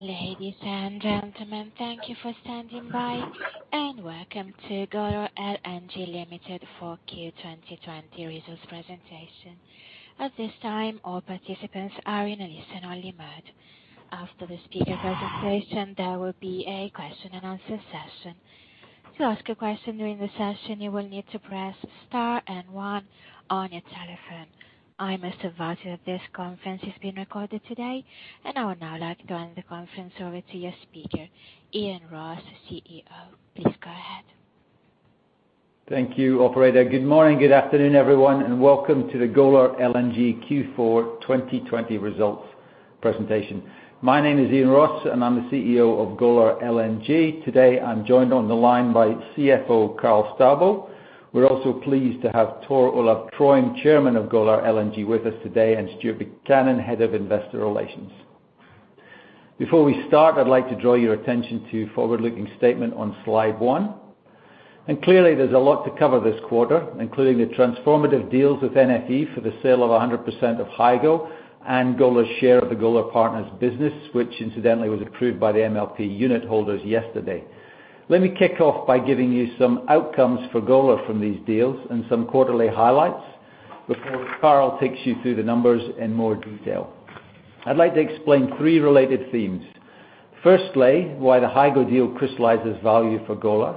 Ladies and gentlemen, thank you for standing by, and welcome to Golar LNG Limited for Q42020 Results Presentation. At this time, all participants are in a listen-only mode. After the speaker presentation, there will be a question and answer session. To ask a question during the session, you will need to press star and one on your telephone. I must advise you that this conference is being recorded today, and I would now like to hand the conference over to your speaker, Iain Ross, CEO. Please go ahead. Thank you, operator. Good morning, good afternoon, everyone, and welcome to the Golar LNG Q4 2020 Results Presentation. My name is Iain Ross, and I'm the CEO of Golar LNG. Today, I'm joined on the line by CFO Karl Staubo. We're also pleased to have Tor Olav Trøim, Chairman of Golar LNG, with us today, and Stuart Buchanan, Head of Investor Relations. Before we start, I'd like to draw your attention to forward-looking statement on Slide one. Clearly, there's a lot to cover this quarter, including the transformative deals with NFE for the sale of 100% of Hygo and Golar's share of the Golar LNG Partners business, which incidentally was accrued by the MLP unit holders yesterday. Let me kick off by giving you some outcomes for Golar from these deals and some quarterly highlights before Karl takes you through the numbers in more detail. I'd like to explain three related themes. Firstly, why the Hygo deal crystallizes value for Golar.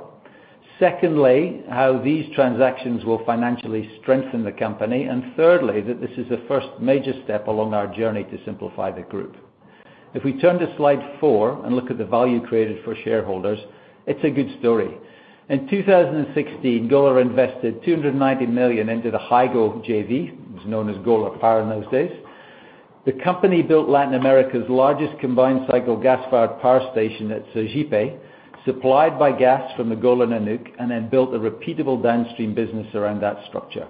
Secondly, how these transactions will financially strengthen the company. Thirdly, that this is the first major step along our journey to simplify the group. If we turn to Slide four and look at the value created for shareholders, it's a good story. In 2016, Golar invested $290 million into the Hygo JV. It was known as Golar Power in those days. The company built Latin America's largest combined cycle gas-fired power station at Sergipe, supplied by gas from the Golar Nanook, and then built a repeatable downstream business around that structure.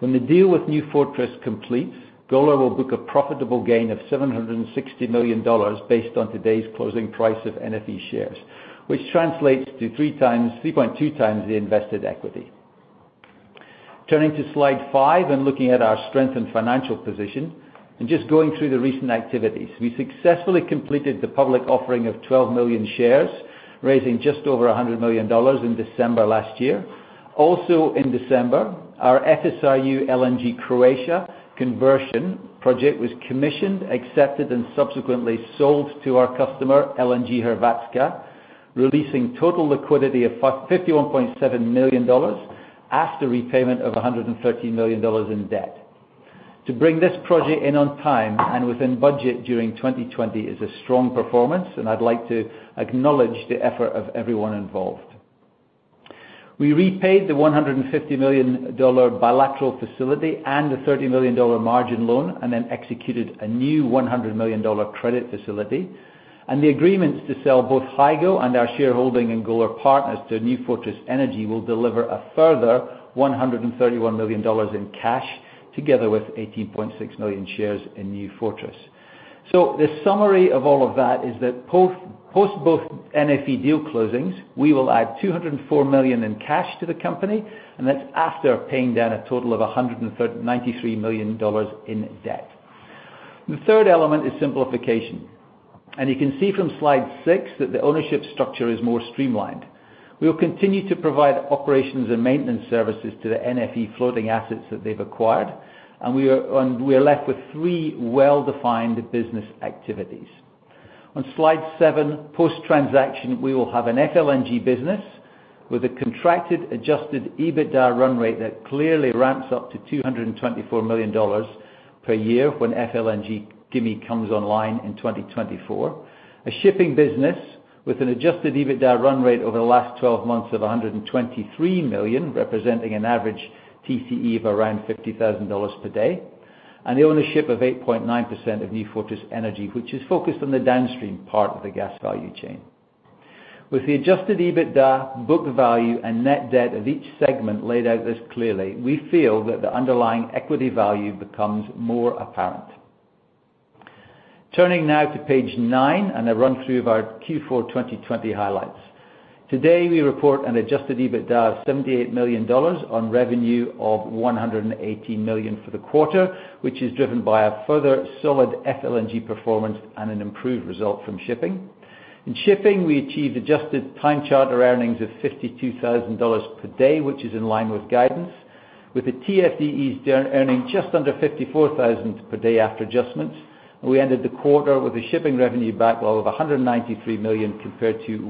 When the deal with New Fortress completes, Golar will book a profitable gain of $760 million based on today's closing price of NFE shares, which translates to 3.2x the invested equity. Turning to Slide five and looking at our strength and financial position, and just going through the recent activities. We successfully completed the public offering of 12 million shares, raising just over $100 million in December last year. In December, our FSRU LNG Croatia conversion project was commissioned, accepted, and subsequently sold to our customer, LNG Hrvatska, releasing total liquidity of $51.7 million after repayment of $113 million in debt. To bring this project in on time and within budget during 2020 is a strong performance, and I'd like to acknowledge the effort of everyone involved. We repaid the $150 million bilateral facility and the $30 million margin loan and then executed a new $100 million credit facility. The agreements to sell both Hygo and our shareholding in Golar Partners to New Fortress Energy will deliver a further $131 million in cash, together with 18.6 million shares in New Fortress. The summary of all of that is that post both NFE deal closings, we will add $204 million in cash to the company, and that's after paying down a total of $193 million in debt. The third element is simplification. You can see from Slide 6 that the ownership structure is more streamlined. We will continue to provide operations and maintenance services to the NFE floating assets that they've acquired, and we are left with three well-defined business activities. On Slide seven, post-transaction, we will have an FLNG business with a contracted adjusted EBITDA run rate that clearly ramps up to $224 million per year when FLNG Gimi comes online in 2024. A shipping business with an adjusted EBITDA run rate over the last 12 months of $123 million, representing an average TCE of around $50,000 per day. The ownership of 8.9% of New Fortress Energy, which is focused on the downstream part of the gas value chain. With the adjusted EBITDA book value and net debt of each segment laid out this clearly, we feel that the underlying equity value becomes more apparent. Turning now to Page nine and a run-through of our Q4 2020 highlights. Today, we report an adjusted EBITDA of $78 million on revenue of $118 million for the quarter, which is driven by a further solid FLNG performance and an improved result from shipping. In shipping, we achieved adjusted time charter earnings of $52,000 per day, which is in line with guidance, with the TFDEs earning just under $54,000 per day after adjustments. We ended the quarter with a shipping revenue backlog of $193 million compared to $172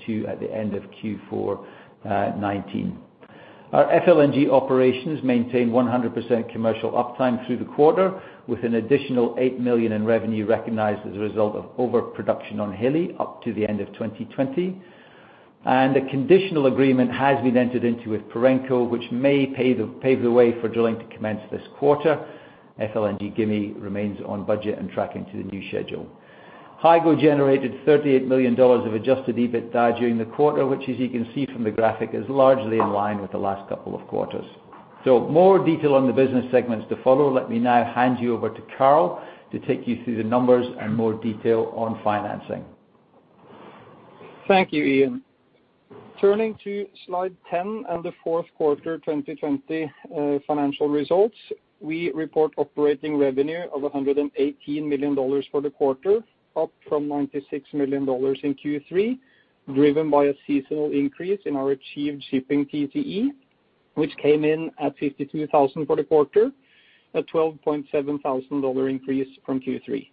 million at the end of Q4 2019. Our FLNG operations maintained 100% commercial uptime through the quarter, with an additional $8 million in revenue recognized as a result of overproduction on Hilli up to the end of 2020. A conditional agreement has been entered into with Perenco, which may pave the way for drilling to commence this quarter. FLNG Gimi remains on budget and tracking to the new schedule. Hygo generated $38 million of adjusted EBITDA during the quarter, which, as you can see from the graphic, is largely in line with the last couple of quarters. More detail on the business segments to follow. Let me now hand you over to Carl to take you through the numbers and more detail on financing. Thank you, Iain. Turning to slide 10 and the fourth quarter 2020 financial results. We report operating revenue of $118 million for the quarter, up from $96 million in Q3, driven by a seasonal increase in our achieved shipping TCE, which came in at $52,000 for the quarter, a $12.7,000 increase from Q3.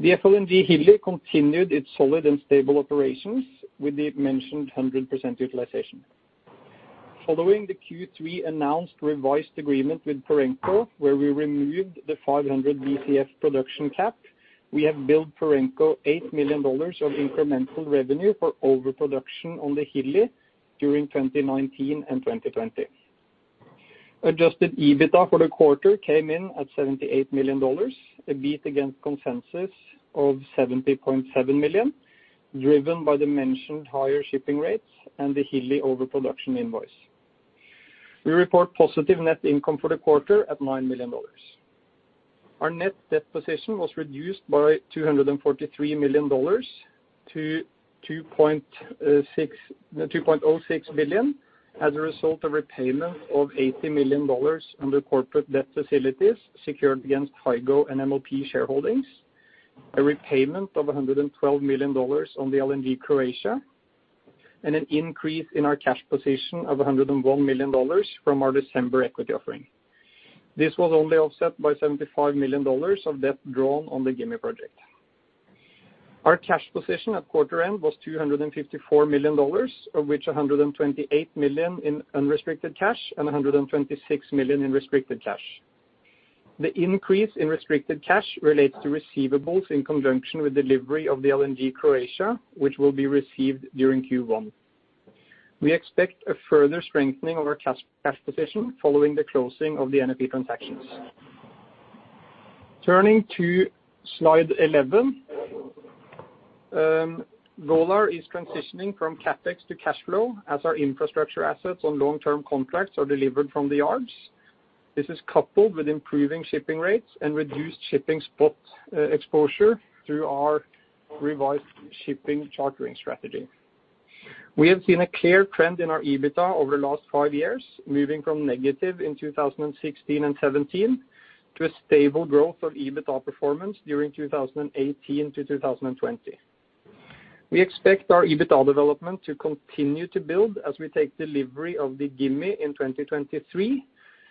The FLNG Hilli continued its solid and stable operations with the mentioned 100% utilization. Following the Q3 announced revised agreement with Perenco, where we removed the 500 BCF production cap. We have billed Perenco $8 million of incremental revenue for overproduction on the Hilli during 2019 and 2020. Adjusted EBITDA for the quarter came in at $78 million, a beat against consensus of $70.7 million, driven by the mentioned higher shipping rates and the Hilli overproduction invoice. We report positive net income for the quarter at $9 million. Our net debt position was reduced by $243 million to $2.06 billion as a result of repayment of $80 million under corporate debt facilities secured against Hygo and MLP shareholdings, a repayment of $112 million on the LNG Croatia, and an increase in our cash position of $101 million from our December equity offering. This was only offset by $75 million of debt drawn on the Gimi project. Our cash position at quarter end was $254 million, of which $128 million in unrestricted cash and $126 million in restricted cash. The increase in restricted cash relates to receivables in conjunction with delivery of the LNG Croatia, which will be received during Q1. We expect a further strengthening of our cash position following the closing of the NFE transactions. Turning to slide 11. Golar is transitioning from CapEx to cash flow as our infrastructure assets on long-term contracts are delivered from the yards. This is coupled with improving shipping rates and reduced shipping spot exposure through our revised shipping chartering strategy. We have seen a clear trend in our EBITDA over the last five years, moving from negative in 2016 and 2017 to a stable growth of EBITDA performance during 2018-2020. We expect our EBITDA development to continue to build as we take delivery of the Gimi in 2023,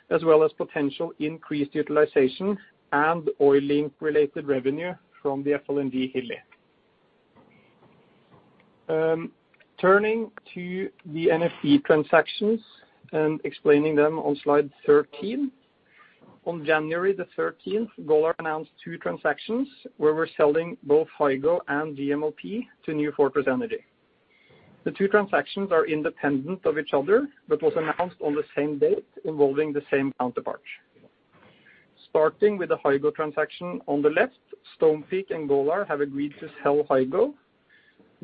as well as potential increased utilization and oil-linked related revenue from the FLNG Hilli. Turning to the NFE transactions and explaining them on slide 13. On January the 13th, Golar announced two transactions where we're selling both Hygo and GMLP to New Fortress Energy. The two transactions are independent of each other but was announced on the same date involving the same counterpart. Starting with the Hygo transaction on the left, Stonepeak and Golar have agreed to sell Hygo.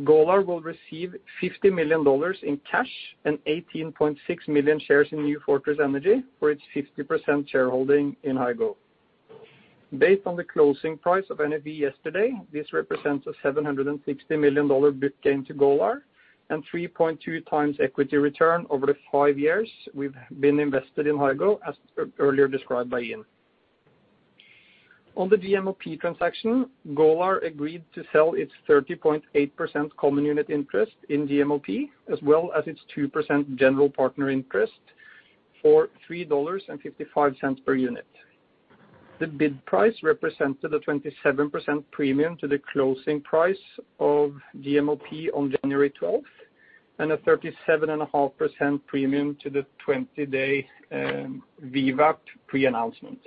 Golar will receive $50 million in cash and 18.6 million shares in New Fortress Energy for its 50% shareholding in Hygo. Based on the closing price of NFE yesterday, this represents a $760 million book gain to Golar and 3.2x equity return over the five years we've been invested in Hygo, as earlier described by Iain. On the GMLP transaction, Golar agreed to sell its 30.8% common unit interest in GMLP, as well as its 2% general partner interest for $3.55 per unit. The bid price represented a 27% premium to the closing price of GMLP on January 12th, and a 37.5% premium to the 20-day VWAP pre-announcement.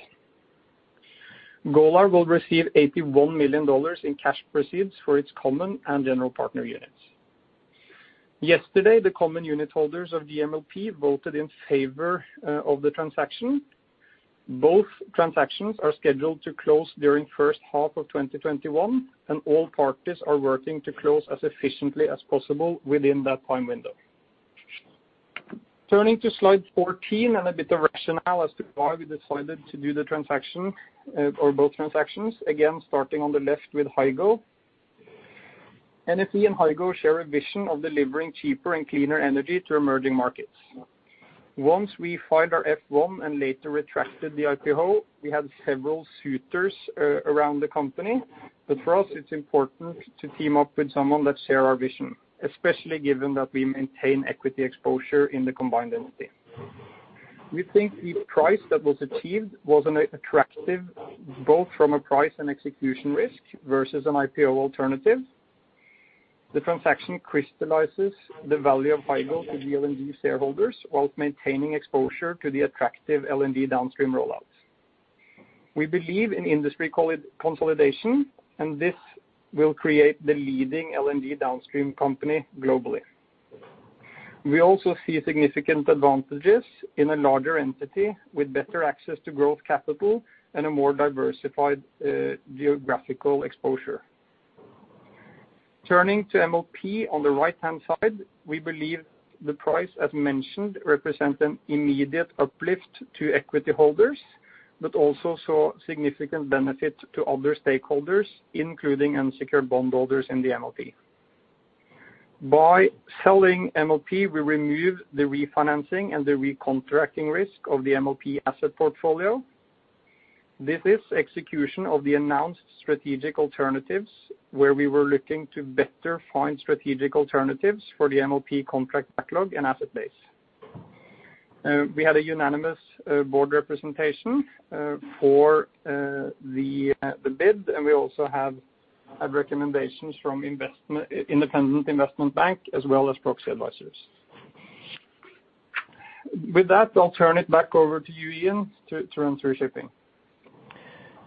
Golar will receive $81 million in cash proceeds for its common and general partner units. Yesterday, the common unit holders of GMLP voted in favor of the transaction. All parties are working to close as efficiently as possible within that time window. A bit of rationale as to why we decided to do the transaction or both transactions. Starting on the left with Hygo. NFE and Hygo share a vision of delivering cheaper and cleaner energy to emerging markets. Once we filed our F-1 and later retracted the IPO, we had several suitors around the company. For us, it's important to team up with someone that share our vision, especially given that we maintain equity exposure in the combined entity. We think the price that was achieved was attractive, both from a price and execution risk versus an IPO alternative. The transaction crystallizes the value of Hygo to GMLP shareholders while maintaining exposure to the attractive LNG downstream roll-outs. We believe in industry consolidation, and this will create the leading LNG downstream company globally. We also see significant advantages in a larger entity with better access to growth capital and a more diversified geographical exposure. Turning to MLP on the right-hand side, we believe the price, as mentioned, represent an immediate uplift to equity holders. We also saw significant benefit to other stakeholders, including unsecured bondholders in the MLP. By selling MLP, we remove the refinancing and the recontracting risk of the MLP asset portfolio. This is execution of the announced strategic alternatives, where we were looking to better find strategic alternatives for the MLP contract backlog and asset base. We had a unanimous board representation for the bid, and we also had recommendations from independent investment bank as well as proxy advisers. With that, I'll turn it back over to you, Iain, to run through shipping.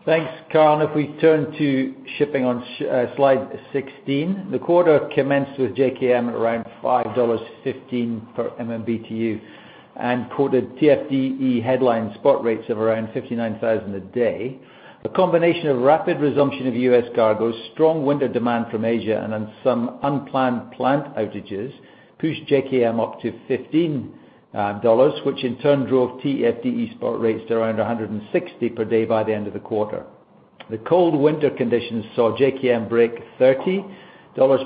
Thanks, Karl. We turn to shipping on slide 16. The quarter commenced with JKM at around $5.15 per MMBtu and quoted TFDE headline spot rates of around $59,000 a day. A combination of rapid resumption of U.S. cargos, strong winter demand from Asia, and some unplanned plant outages pushed JKM up to $15, which in turn drove TFDE spot rates to around $160 per day by the end of the quarter. The cold winter conditions saw JKM break $30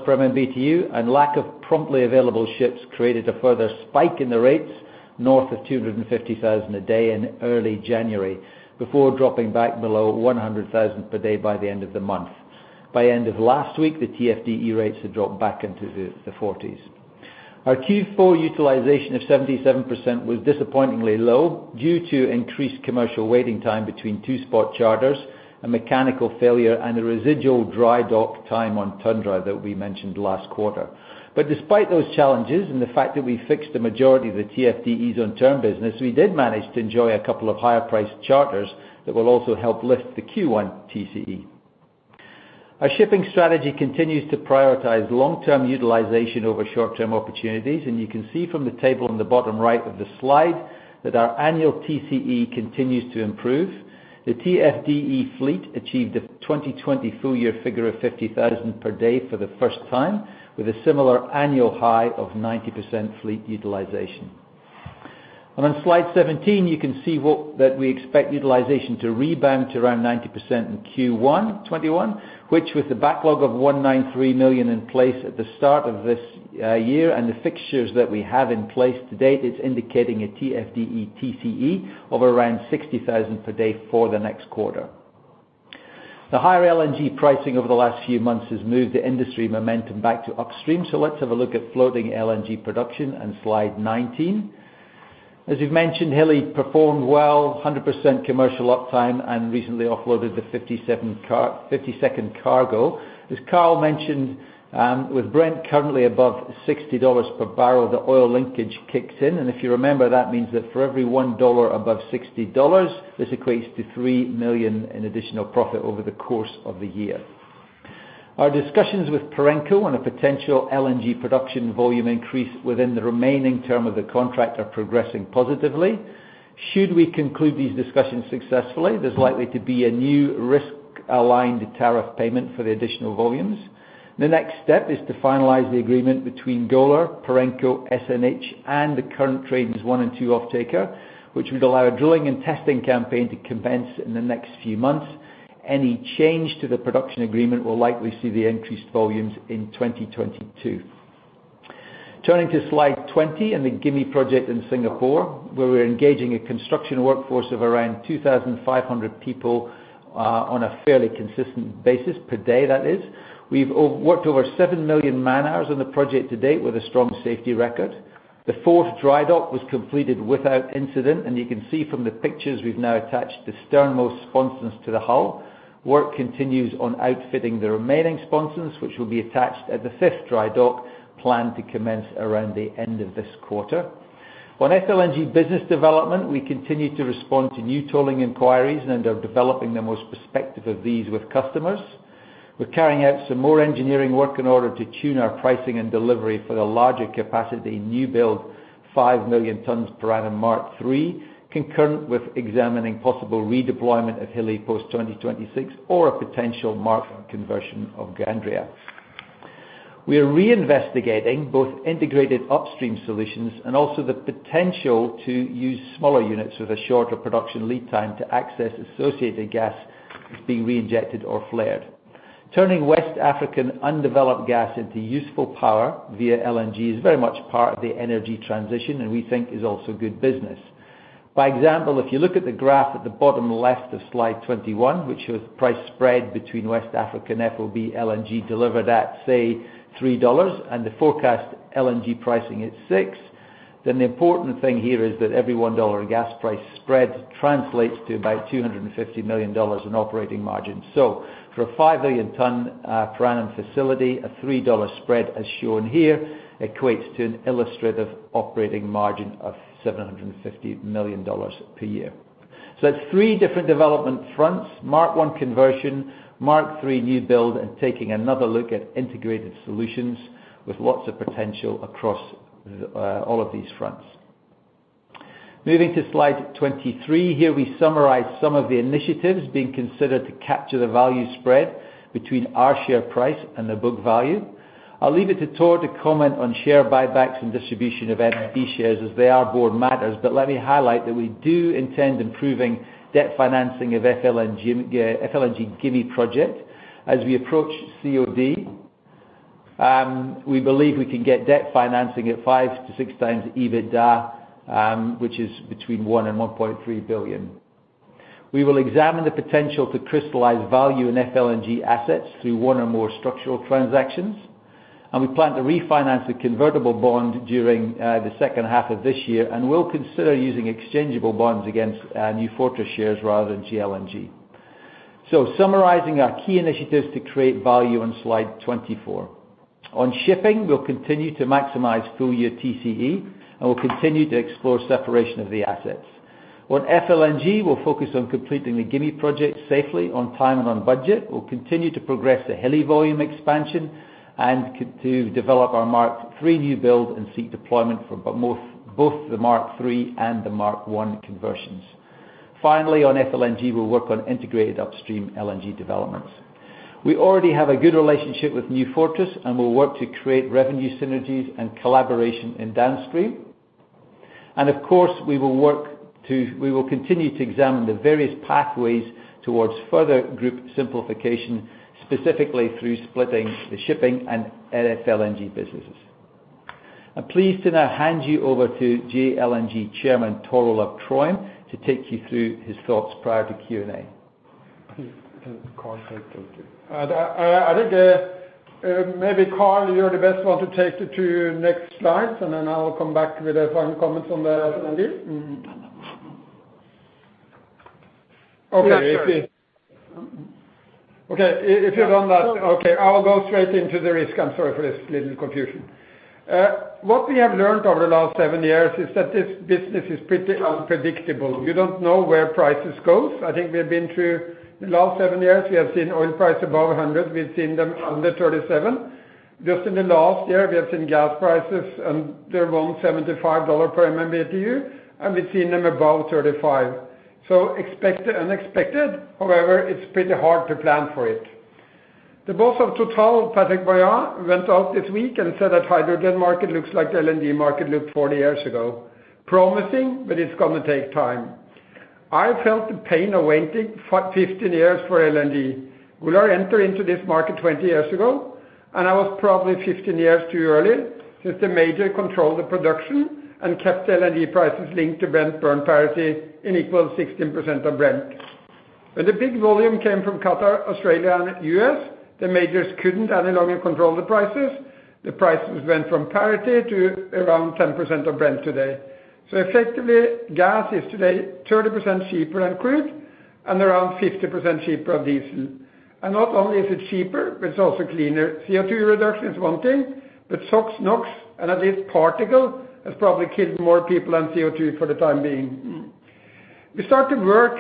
per MMBtu, and lack of promptly available ships created a further spike in the rates north of $250,000 a day in early January, before dropping back below $100,000 per day by the end of the month. By end of last week, the TFDE rates had dropped back into the 40s. Our Q4 utilization of 77% was disappointingly low due to increased commercial waiting time between two spot charters, a mechanical failure, and the residual dry dock time on Tundra that we mentioned last quarter. Despite those challenges and the fact that we fixed the majority of the TFDE on term business, we did manage to enjoy a couple of higher priced charters that will also help lift the Q1 TCE. Our shipping strategy continues to prioritize long-term utilization over short-term opportunities, and you can see from the table on the bottom right of the slide that our annual TCE continues to improve. The TFDE fleet achieved a 2020 full year figure of $50,000 per day for the first time, with a similar annual high of 90% fleet utilization. On slide 17, you can see that we expect utilization to rebound to around 90% in Q1 2021, which with the backlog of $193 million in place at the start of this year, and the fixtures that we have in place to date, is indicating a TFDE TCE of around $60,000 per day for the next quarter. The higher LNG pricing over the last few months has moved the industry momentum back to upstream. Let's have a look at floating LNG production on slide 19. As we've mentioned, Hilli performed well, 100% commercial uptime, and recently offloaded the 52nd cargo. As Karl mentioned, with Brent currently above $60 per barrel, the oil linkage kicks in. If you remember, that means that for every $1 above $60, this equates to $3 million in additional profit over the course of the year. Our discussions with Perenco on a potential LNG production volume increase within the remaining term of the contract are progressing positively. Should we conclude these discussions successfully, there's likely to be a new risk-aligned tariff payment for the additional volumes. The next step is to finalize the agreement between Golar, Perenco, SNH, and the current trains one and two off-taker, which would allow a drilling and testing campaign to commence in the next few months. Any change to the production agreement will likely see the increased volumes in 2022. Turning to slide 20 and the Gimi project in Singapore, where we are engaging a construction workforce of around 2,500 people, on a fairly consistent basis per day, that is. We've worked over 7 million man-hours on the project to date with a strong safety record. The fourth dry dock was completed without incident, and you can see from the pictures we've now attached the sternmost sponsons to the hull. Work continues on outfitting the remaining sponsons, which will be attached at the fifth dry dock planned to commence around the end of this quarter. On FLNG business development, we continue to respond to new tolling inquiries and are developing the most prospective of these with customers. We're carrying out some more engineering work in order to tune our pricing and delivery for the larger capacity new build 5 million tons per annum Mark III, concurrent with examining possible redeployment of Hilli post-2026 or a potential Mark conversion of Gandria. We are reinvestigating both integrated upstream solutions and also the potential to use smaller units with a shorter production lead time to access associated gas that's being reinjected or flared. Turning West African undeveloped gas into useful power via LNG is very much part of the energy transition and we think is also good business. By example, if you look at the graph at the bottom left of slide 21, which shows price spread between West African FOB LNG delivered at, say, $3 and the forecast LNG pricing at $6. The important thing here is that every $1 in gas price spread translates to about $250 million in operating margin. For a 5 million ton per annum facility, a $3 spread as shown here equates to an illustrative operating margin of $750 million per year. That's three different development fronts, Mark I conversion, Mark III new build, and taking another look at integrated solutions with lots of potential across all of these fronts. Moving to slide 23. Here we summarize some of the initiatives being considered to capture the value spread between our share price and the book value. I'll leave it to Tor to comment on share buybacks and distribution of LNG shares as they are board matters. Let me highlight that we do intend improving debt financing of FLNG Gimi project as we approach COD. We believe we can get debt financing at five to six times EBITDA, which is between $1 billion and $1.3 billion. We will examine the potential to crystallize value in FLNG assets through one or more structural transactions, and we plan to refinance the convertible bond during the second half of this year, and we'll consider using exchangeable bonds against New Fortress shares rather than GLNG. Summarizing our key initiatives to create value on slide 24. On shipping, we'll continue to maximize full year TCE, and we'll continue to explore separation of the assets. On FLNG, we'll focus on completing the Gimi project safely, on time, and on budget. We'll continue to progress the Hilli volume expansion and to develop our Mark 3 new build and seek deployment for both the Mark 3 and the Mark 1 conversions. On FLNG, we'll work on integrated upstream LNG developments. We already have a good relationship with New Fortress, and we'll work to create revenue synergies and collaboration in downstream. We will continue to examine the various pathways towards further group simplification, specifically through splitting the shipping and FLNG businesses. I'm pleased to now hand you over to GLNG Chairman, Tor Olav Trøim, to take you through his thoughts prior to Q&A. Okay. Karl, take it. I think maybe, Karl, you're the best one to take it to next slides, and then I will come back with one comment on the FLNG. Okay. If you're on that. Okay, I will go straight into the risk. I'm sorry for this little confusion. What we have learned over the last seven years is that this business is pretty unpredictable. You don't know where prices goes. I think we have been through the last seven years, we have seen oil price above 100. We've seen them under 37. Just in the last year, we have seen gas prices and they're around $75 per MMBtu, and we've seen them above 35. Expect the unexpected. However, it's pretty hard to plan for it. The boss of Total, Patrick Pouyanné, went out this week and said that hydrogen market looks like the LNG market looked 40 years ago. Promising, but it's going to take time. I felt the pain of waiting for 15 years for LNG. Golar enter into this market 20 years ago, I was probably 15 years too early since the major controlled the production and kept LNG prices linked to Brent parity in equal 16% of Brent. When the big volume came from Qatar, Australia and U.S., the majors couldn't any longer control the prices. The prices went from parity to around 10% of Brent today. Effectively, gas is today 30% cheaper than crude and around 50% cheaper of diesel. Not only is it cheaper, it's also cleaner. CO2 reduction is one thing, SOx, NOx, and at least particle, has probably killed more people than CO2 for the time being. We started work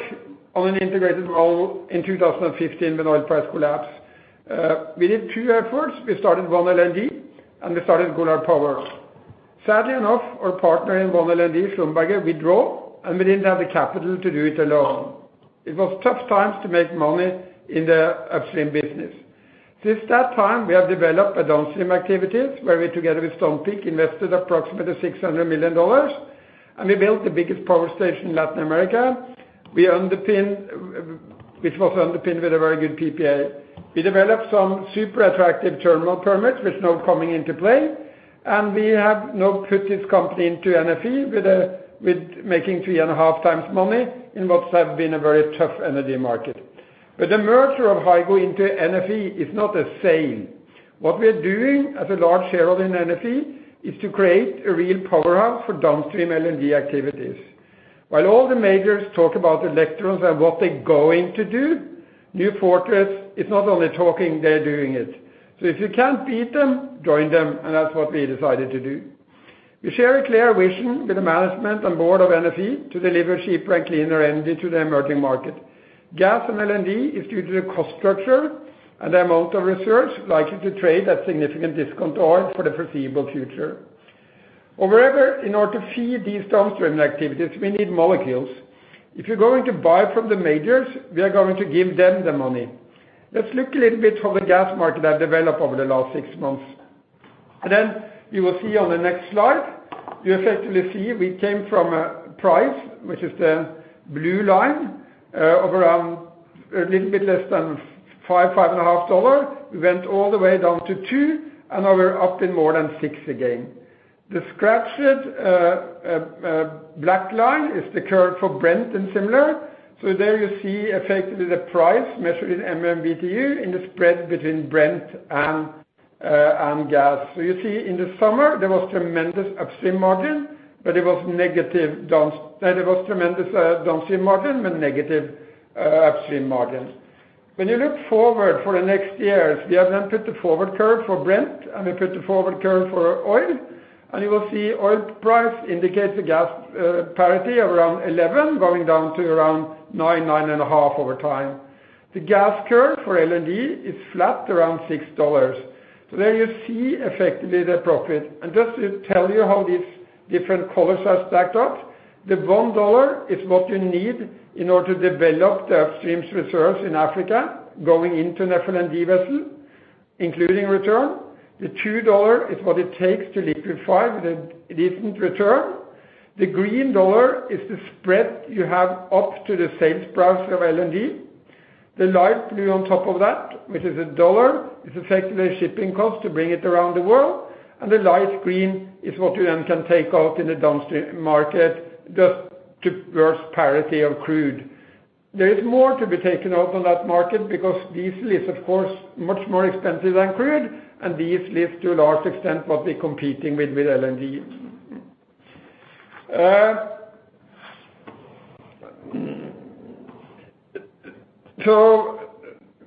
on an integrated role in 2015 when oil price collapsed. We did two efforts. We started OneLNG, and we started Golar Power. Sadly enough, our partner in OneLNG, Schlumberger, withdraw, and we didn't have the capital to do it alone. It was tough times to make money in the upstream business. Since that time, we have developed a downstream activities where we, together with Stonepeak, invested approximately $600 million, and we built the biggest power station in Latin America, which was underpinned with a very good PPA. We developed some super attractive terminal permits, which is now coming into play, and we have now put this company into NFE with making 3.5x money in what has been a very tough energy market. The merger of Hygo into NFE is not a sale. What we are doing as a large shareholder in NFE is to create a real powerhouse for downstream LNG activities. While all the majors talk about electrons and what they're going to do, New Fortress is not only talking, they're doing it. If you can't beat them, join them, and that's what we decided to do. We share a clear vision with the management and board of NFE to deliver cheaper and cleaner energy to the emerging market. Gas and LNG is due to the cost structure and the amount of reserves likely to trade at significant discount to oil for the foreseeable future. However, in order to feed these downstream activities, we need molecules. If you're going to buy from the majors, we are going to give them the money. Let's look a little bit how the gas market have developed over the last six months. Then you will see on the next slide, you effectively see we came from a price, which is the blue line of around a little bit less than five dollars, five and a half dollars. We went all the way down to two dollars, and now we're up in more than six dollars again. The scratched black line is the curve for Brent and similar. There you see effectively the price measured in MMBtu in the spread between Brent and gas. You see in the summer, there was tremendous downstream margin, but negative upstream margins. When you look forward for the next years, we have then put the forward curve for Brent, and we put the forward curve for oil, You will see oil price indicates a gas parity of around $11, going down to around nine dollars, nine and a half dollars over time. The gas curve for LNG is flat around $6. There you see effectively the profit. Just to tell you how these different colors are stacked up. The $1 is what you need in order to develop the upstream's reserves in Africa, going into an FLNG vessel, including return. The $2 is what it takes to liquefy with a decent return. The green dollar is the spread you have up to the sales price of LNG. The light blue on top of that, which is $1, is effectively the shipping cost to bring it around the world. The light green is what you then can take out in the downstream market just to gross parity of crude. There is more to be taken out on that market because diesel is, of course, much more expensive than crude, and diesel is, to a large extent, what we're competing with LNG.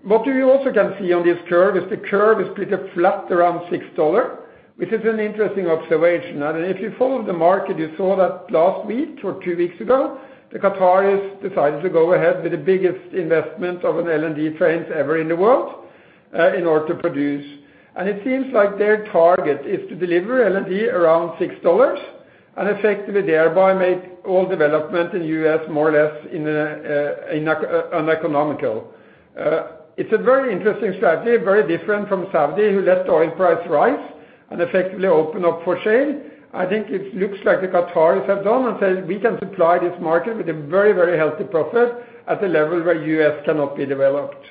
What you also can see on this curve is the curve is pretty flat around $6, which is an interesting observation. If you followed the market, you saw that last week or two weeks ago, the Qataris decided to go ahead with the biggest investment of an LNG train ever in the world in order to produce. It seems like their target is to deliver LNG around $6 and effectively thereby make all development in the U.S. more or less uneconomical. It's a very interesting strategy, very different from Saudi, who let the oil price rise and effectively open up for shale. I think it looks like the Qataris have done and said, "We can supply this market with a very, very healthy profit at a level where U.S. cannot be developed."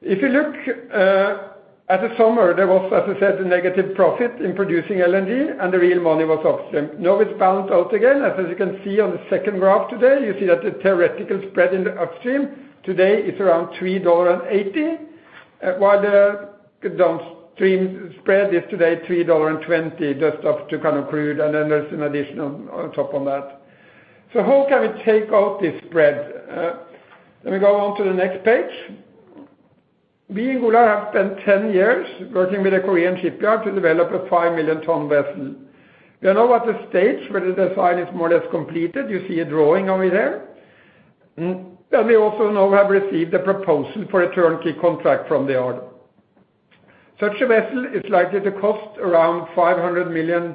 If you look at the summer, there was, as I said, a negative profit in producing LNG, and the real money was upstream. Now it's balanced out again. As you can see on the second graph today, you see that the theoretical spread in the upstream today is around $3.80, while the downstream spread is today $3.20, just up to kind of crude, and then there's an addition on top on that. How can we take out this spread? Let me go on to the next page. We in Golar have spent 10 years working with a Korean shipyard to develop a 5 million-tonne vessel. We are now at the stage where the design is more or less completed. You see a drawing over there. We also now have received a proposal for a turnkey contract from the yard. Such a vessel is likely to cost around $500 million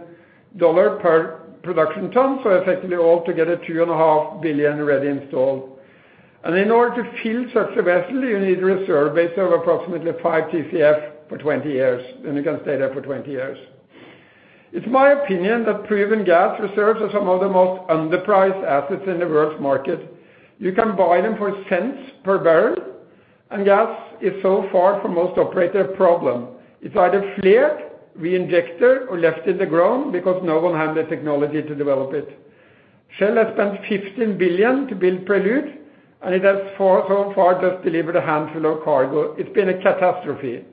per production ton, so effectively all together $2.5 billion ready installed. In order to fill such a vessel, you need a reserve base of approximately 5 TCF for 20 years, and it can stay there for 20 years. It's my opinion that proven gas reserves are some of the most underpriced assets in the world's market. You can buy them for cents per barrel, gas is so far, for most operators, a problem. It's either flared, reinjected, or left in the ground because no one had the technology to develop it. Shell has spent $15 billion to build Prelude, it has so far just delivered a handful of cargo. It's been a catastrophe.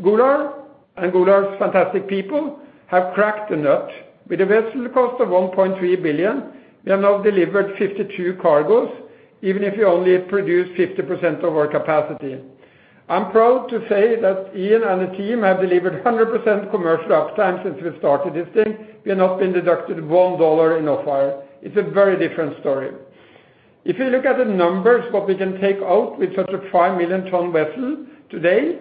Golar and Golar's fantastic people have cracked the nut. With a vessel cost of $1.3 billion, we have now delivered 52 cargoes, even if we only produce 50% of our capacity. I'm proud to say that Iain and the team have delivered 100% commercial uptime since we started this thing. We have not been deducted $1 in off-hire. It's a very different story. If you look at the numbers, what we can take out with such a 5 million-tonne vessel today,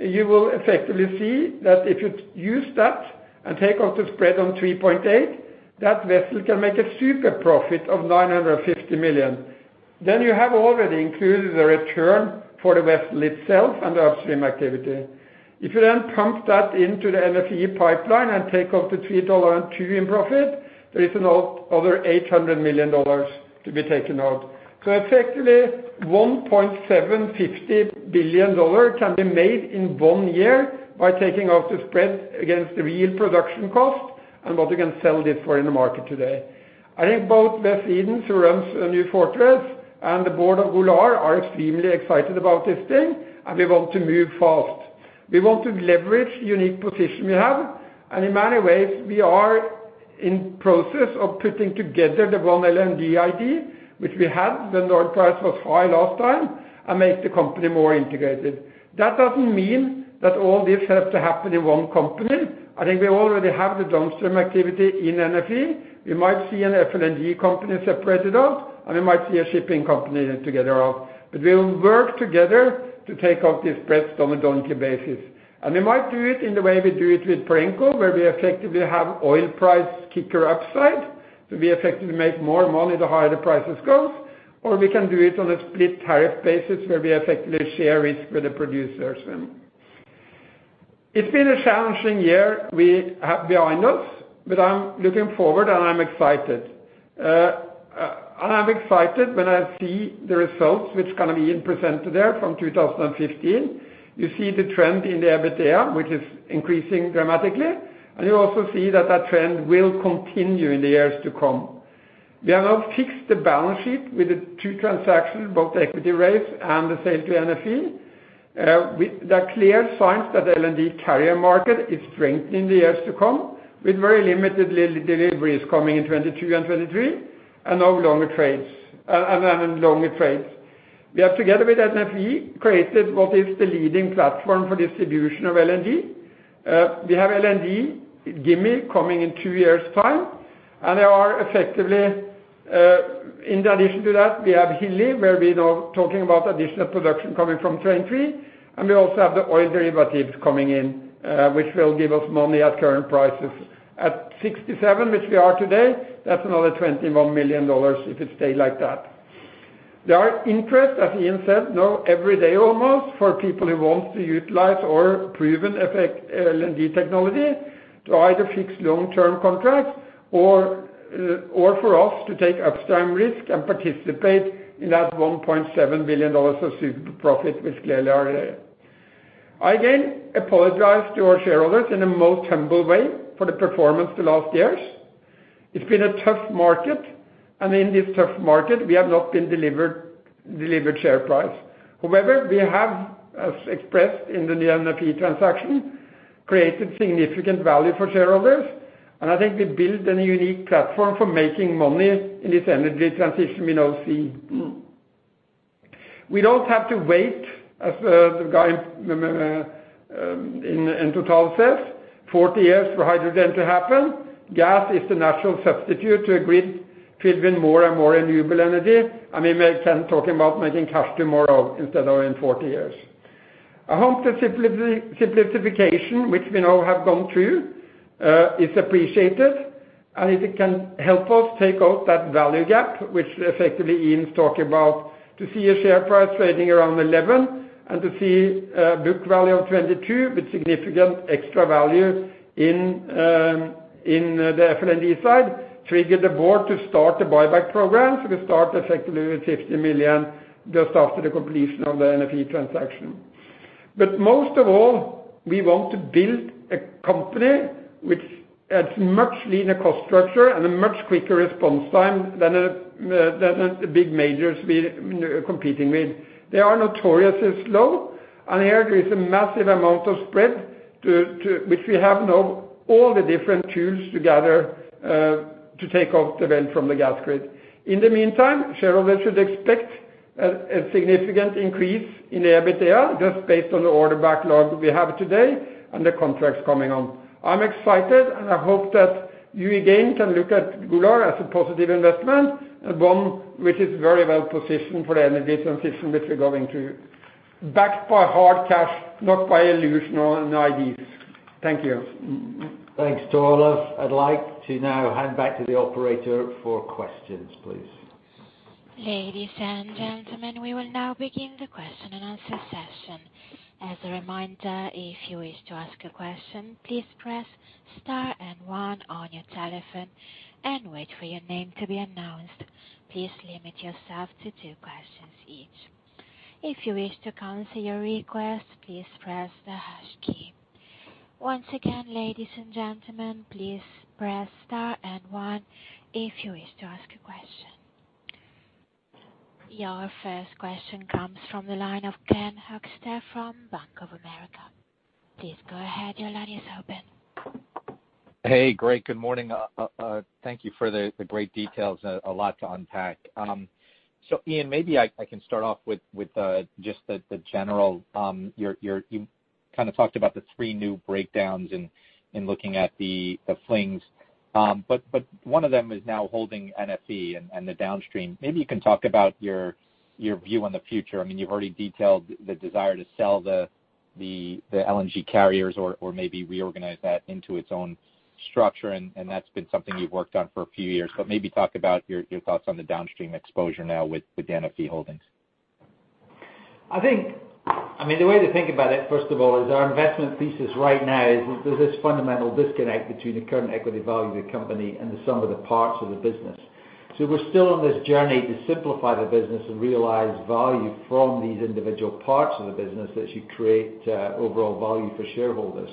you will effectively see that if you use that and take out the spread on $3.8, that vessel can make a super profit of $950 million. You have already included the return for the vessel itself and the upstream activity. If you then pump that into the NFE pipeline and take out the $3.2 in profit, there is another $800 million to be taken out. Effectively, $1.750 billion can be made in one year by taking out the spread against the real production cost and what we can sell this for in the market today. I think both Wes Edens, who runs New Fortress, and the board of Golar are extremely excited about this thing, and we want to move fast. We want to leverage the unique position we have, and in many ways, we are in process of putting together the OneLNG, which we had when oil price was high last time, and make the company more integrated. That doesn't mean that all this has to happen in one company. I think we already have the downstream activity in NFE. We might see an FLNG co separated out, and we might see a shipping company together out. We will work together to take out the spreads on a turnkey basis. We might do it in the way we do it with Perenco, where we effectively have oil price kicker upside. We effectively make more money the higher the prices goes, or we can do it on a split tariff basis where we effectively share risk with the producers then. It's been a challenging year we have behind us, but I'm looking forward, and I'm excited. I am excited when I see the results, which kind of Iain presented there from 2015. You see the trend in the EBITDA, which is increasing dramatically, and you also see that that trend will continue in the years to come. We have now fixed the balance sheet with the two transactions, both the equity raise and the sale to NFE. There are clear signs that the LNG carrier market is strengthening in the years to come, with very limited deliveries coming in 2022 and 2023 and longer trades. We have, together with NFE, created what is the leading platform for distribution of LNG. We have LNG Gimi coming in two years' time. In addition to that, we have Hilli, where we know talking about additional production coming from Train 3. We also have the oil derivatives coming in, which will give us money at current prices. At 67, which we are today, that's another $21 million if it stay like that. There are interest, as Iain said, now every day almost for people who want to utilize our proven FLNG technology to either fix long-term contracts or for us to take upstream risk and participate in that $1.7 billion of super profit, which clearly are there. I again apologize to our shareholders in a most humble way for the performance the last years. It's been a tough market. In this tough market, we have not been delivered share price. However, we have, as expressed in the new NFE transaction, created significant value for shareholders. I think we built a unique platform for making money in this energy transition we now see. We don't have to wait, as the guy in Total says, 40 years for hydrogen to happen. Gas is the natural substitute to a grid filled with more and more renewable energy. We can talk about making cash tomorrow instead of in 40 years. I hope the simplification, which we now have gone through, is appreciated. It can help us take out that value gap, which effectively Iain's talking about. To see a share price trading around $11 and to see a book value of $22 with significant extra value in the FLNG side triggered the board to start the buyback program. We start effectively with $50 million just after the completion of the NFE transaction. Most of all, we want to build a company which adds much leaner cost structure and a much quicker response time than the big majors we're competing with. They are notoriously slow, and there is a massive amount of spread, which we have now all the different tools together to take off the vent from the gas grid. In the meantime, shareholders should expect a significant increase in the EBITDA just based on the order backlog we have today and the contracts coming on. I hope that you again can look at Golar as a positive investment, and one which is very well positioned for the energy transition which we're going through, backed by hard cash, not by illusion or ideas. Thank you. Thanks, Tor Olav. I'd like to now hand back to the operator for questions, please. Your first question comes from the line of Ken Hoexter from Bank of America. Please go ahead. Your line is open. Hey. Great. Good morning. Thank you for the great details. A lot to unpack. Iain, maybe I can start off with. You kind of talked about the three new breakdowns in looking at the FLNGs. One of them is now holding NFE and the downstream. Maybe you can talk about your view on the future. You've already detailed the desire to sell the LNG carriers or maybe reorganize that into its own structure, and that's been something you've worked on for a few years. Maybe talk about your thoughts on the downstream exposure now with the NFE holdings. I think the way to think about it, first of all, is our investment thesis right now is there's this fundamental disconnect between the current equity value of the company and the sum of the parts of the business. We're still on this journey to simplify the business and realize value from these individual parts of the business that should create overall value for shareholders.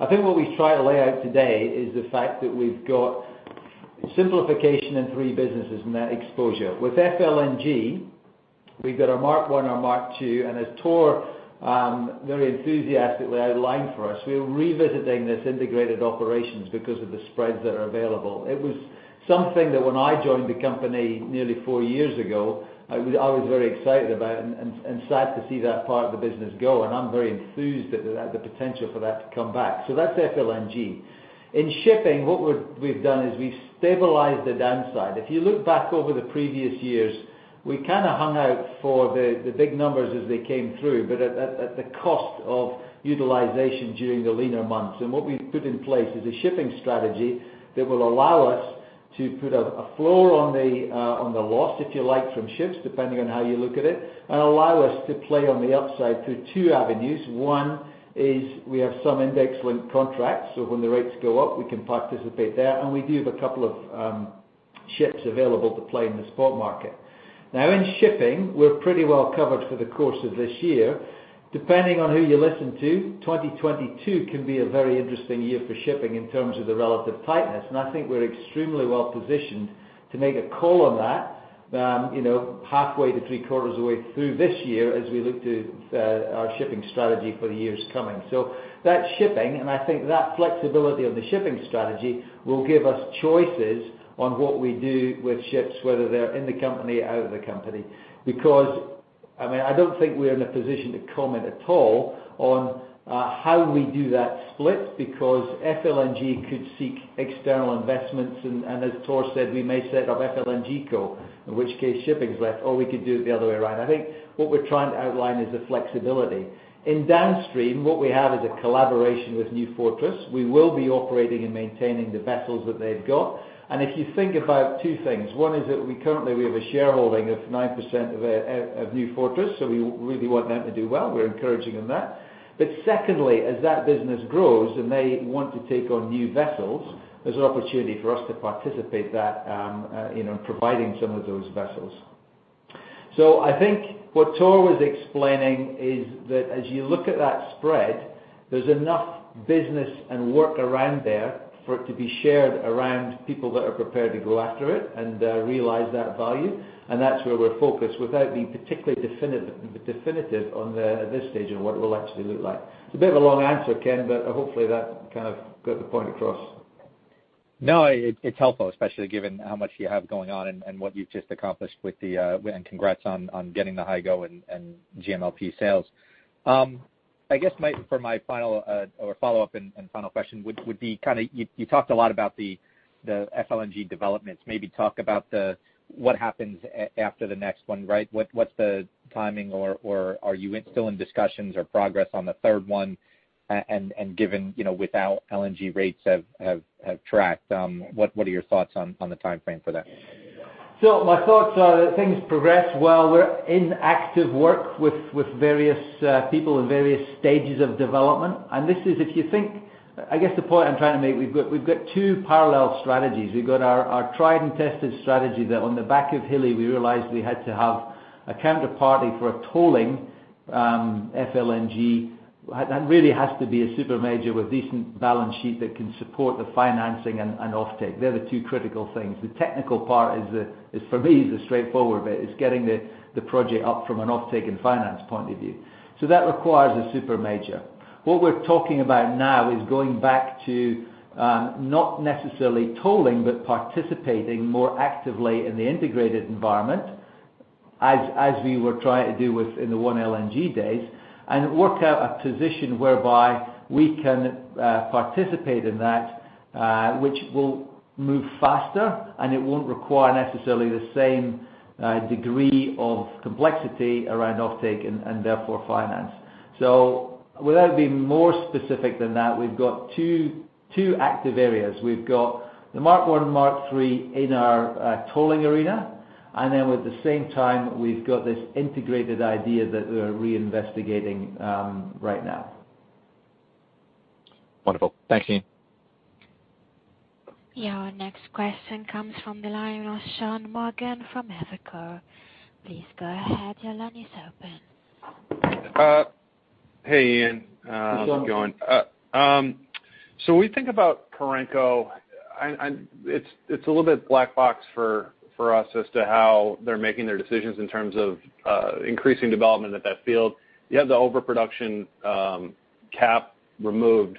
I think what we try to lay out today is the fact that we've got simplification in three businesses and that exposure. With FLNG, we've got our Mark I, our Mark II, and as Tor very enthusiastically outlined for us, we're revisiting this integrated operations because of the spreads that are available. It was something that when I joined the company nearly four years ago, I was very excited about and sad to see that part of the business go, and I'm very enthused at the potential for that to come back. That's FLNG. In shipping, what we've done is we've stabilized the downside. If you look back over the previous years, we kind of hung out for the big numbers as they came through, but at the cost of utilization during the leaner months. What we've put in place is a shipping strategy that will allow us to put a floor on the loss, if you like, from ships, depending on how you look at it, and allow us to play on the upside through two avenues. One is we have some index-linked contracts, so when the rates go up, we can participate there, and we do have a couple of ships available to play in the spot market. Now, in shipping, we're pretty well covered for the course of this year. Depending on who you listen to, 2022 can be a very interesting year for shipping in terms of the relative tightness, and I think we're extremely well positioned to make a call on that halfway to three-quarters of the way through this year as we look to our shipping strategy for the years coming. That's shipping, and I think that flexibility of the shipping strategy will give us choices on what we do with ships, whether they're in the company or out of the company. I don't think we are in a position to comment at all on how we do that split, because FLNG could seek external investments, and as Tor said, we may set up FLNG co, in which case shipping is left, or we could do it the other way around. I think what we're trying to outline is the flexibility. In downstream, what we have is a collaboration with New Fortress. We will be operating and maintaining the vessels that they've got. If you think about two things, one is that we currently have a shareholding of 9% of New Fortress, so we really want them to do well. We're encouraging them that. Secondly, as that business grows and they want to take on new vessels, there's an opportunity for us to participate in that, providing some of those vessels. I think what Tor was explaining is that as you look at that spread, there's enough business and work around there for it to be shared around people that are prepared to go after it and realize that value, and that's where we're focused, without being particularly definitive on this stage on what it will actually look like. It's a bit of a long answer, Ken, but hopefully that got the point across. No, it's helpful, especially given how much you have going on and what you've just accomplished. Congrats on getting the Hygo and GLMP sales. I guess for my follow-up and final question would be, you talked a lot about the FLNG developments. Maybe talk about what happens after the next one, right? What's the timing, or are you still in discussions or progress on the third one? Given, with how LNG rates have tracked, what are your thoughts on the timeframe for that? My thoughts are that things progress well. We're in active work with various people in various stages of development. I guess the point I'm trying to make, we've got two parallel strategies. We've got our tried and tested strategy that on the back of Hilli, we realized we had to have a counterparty for a tolling FLNG. That really has to be a super major with decent balance sheet that can support the financing and offtake. They're the two critical things. The technical part is for me, is the straightforward bit, is getting the project up from an offtake and finance point of view. That requires a super major. What we're talking about now is going back to not necessarily tolling, but participating more actively in the integrated environment as we were trying to do in the OneLNG days, and work out a position whereby we can participate in that which will move faster, and it won't require necessarily the same degree of complexity around offtake and therefore finance. Without being more specific than that, we've got two active areas. We've got the Mark I and Mark III in our tolling arena. At the same time, we've got this integrated idea that we are reinvestigating right now. Wonderful. Thank you. Your next question comes from the line of Sean Morgan from Evercore. Please go ahead. Your line is open. Hey, Iain. Sean. How's it going? When we think about Perenco, it's a little bit black box for us as to how they're making their decisions in terms of increasing development at that field. You have the overproduction cap removed.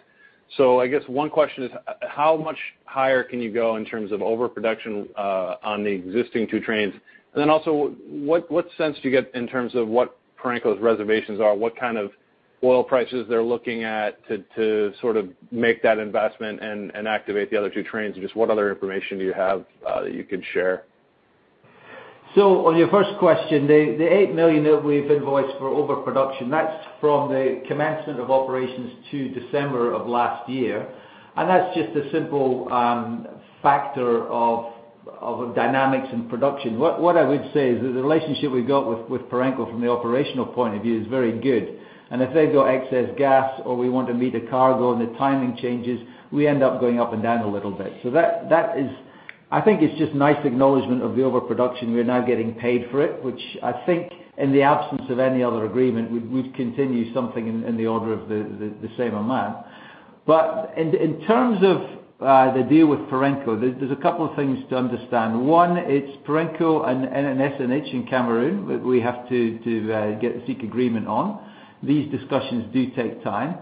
I guess one question is how much higher can you go in terms of overproduction on the existing two trains? Also what sense do you get in terms of what Perenco's reservations are, what kind of oil prices they're looking at to sort of make that investment and activate the other two trains, and just what other information do you have that you can share? On your first question, the $8 million that we've invoiced for overproduction, that's from the commencement of operations to December of last year, that's just a simple factor of dynamics in production. What I would say is that the relationship we've got with Perenco from the operational point of view is very good. If they've got excess gas or we want to meet a cargo and the timing changes, we end up going up and down a little bit. That is, I think it's just nice acknowledgement of the overproduction. We are now getting paid for it, which I think in the absence of any other agreement, would continue something in the order of the same amount. In terms of the deal with Perenco, there's a couple of things to understand. One, it's Perenco and SNH in Cameroon that we have to seek agreement on. These discussions do take time.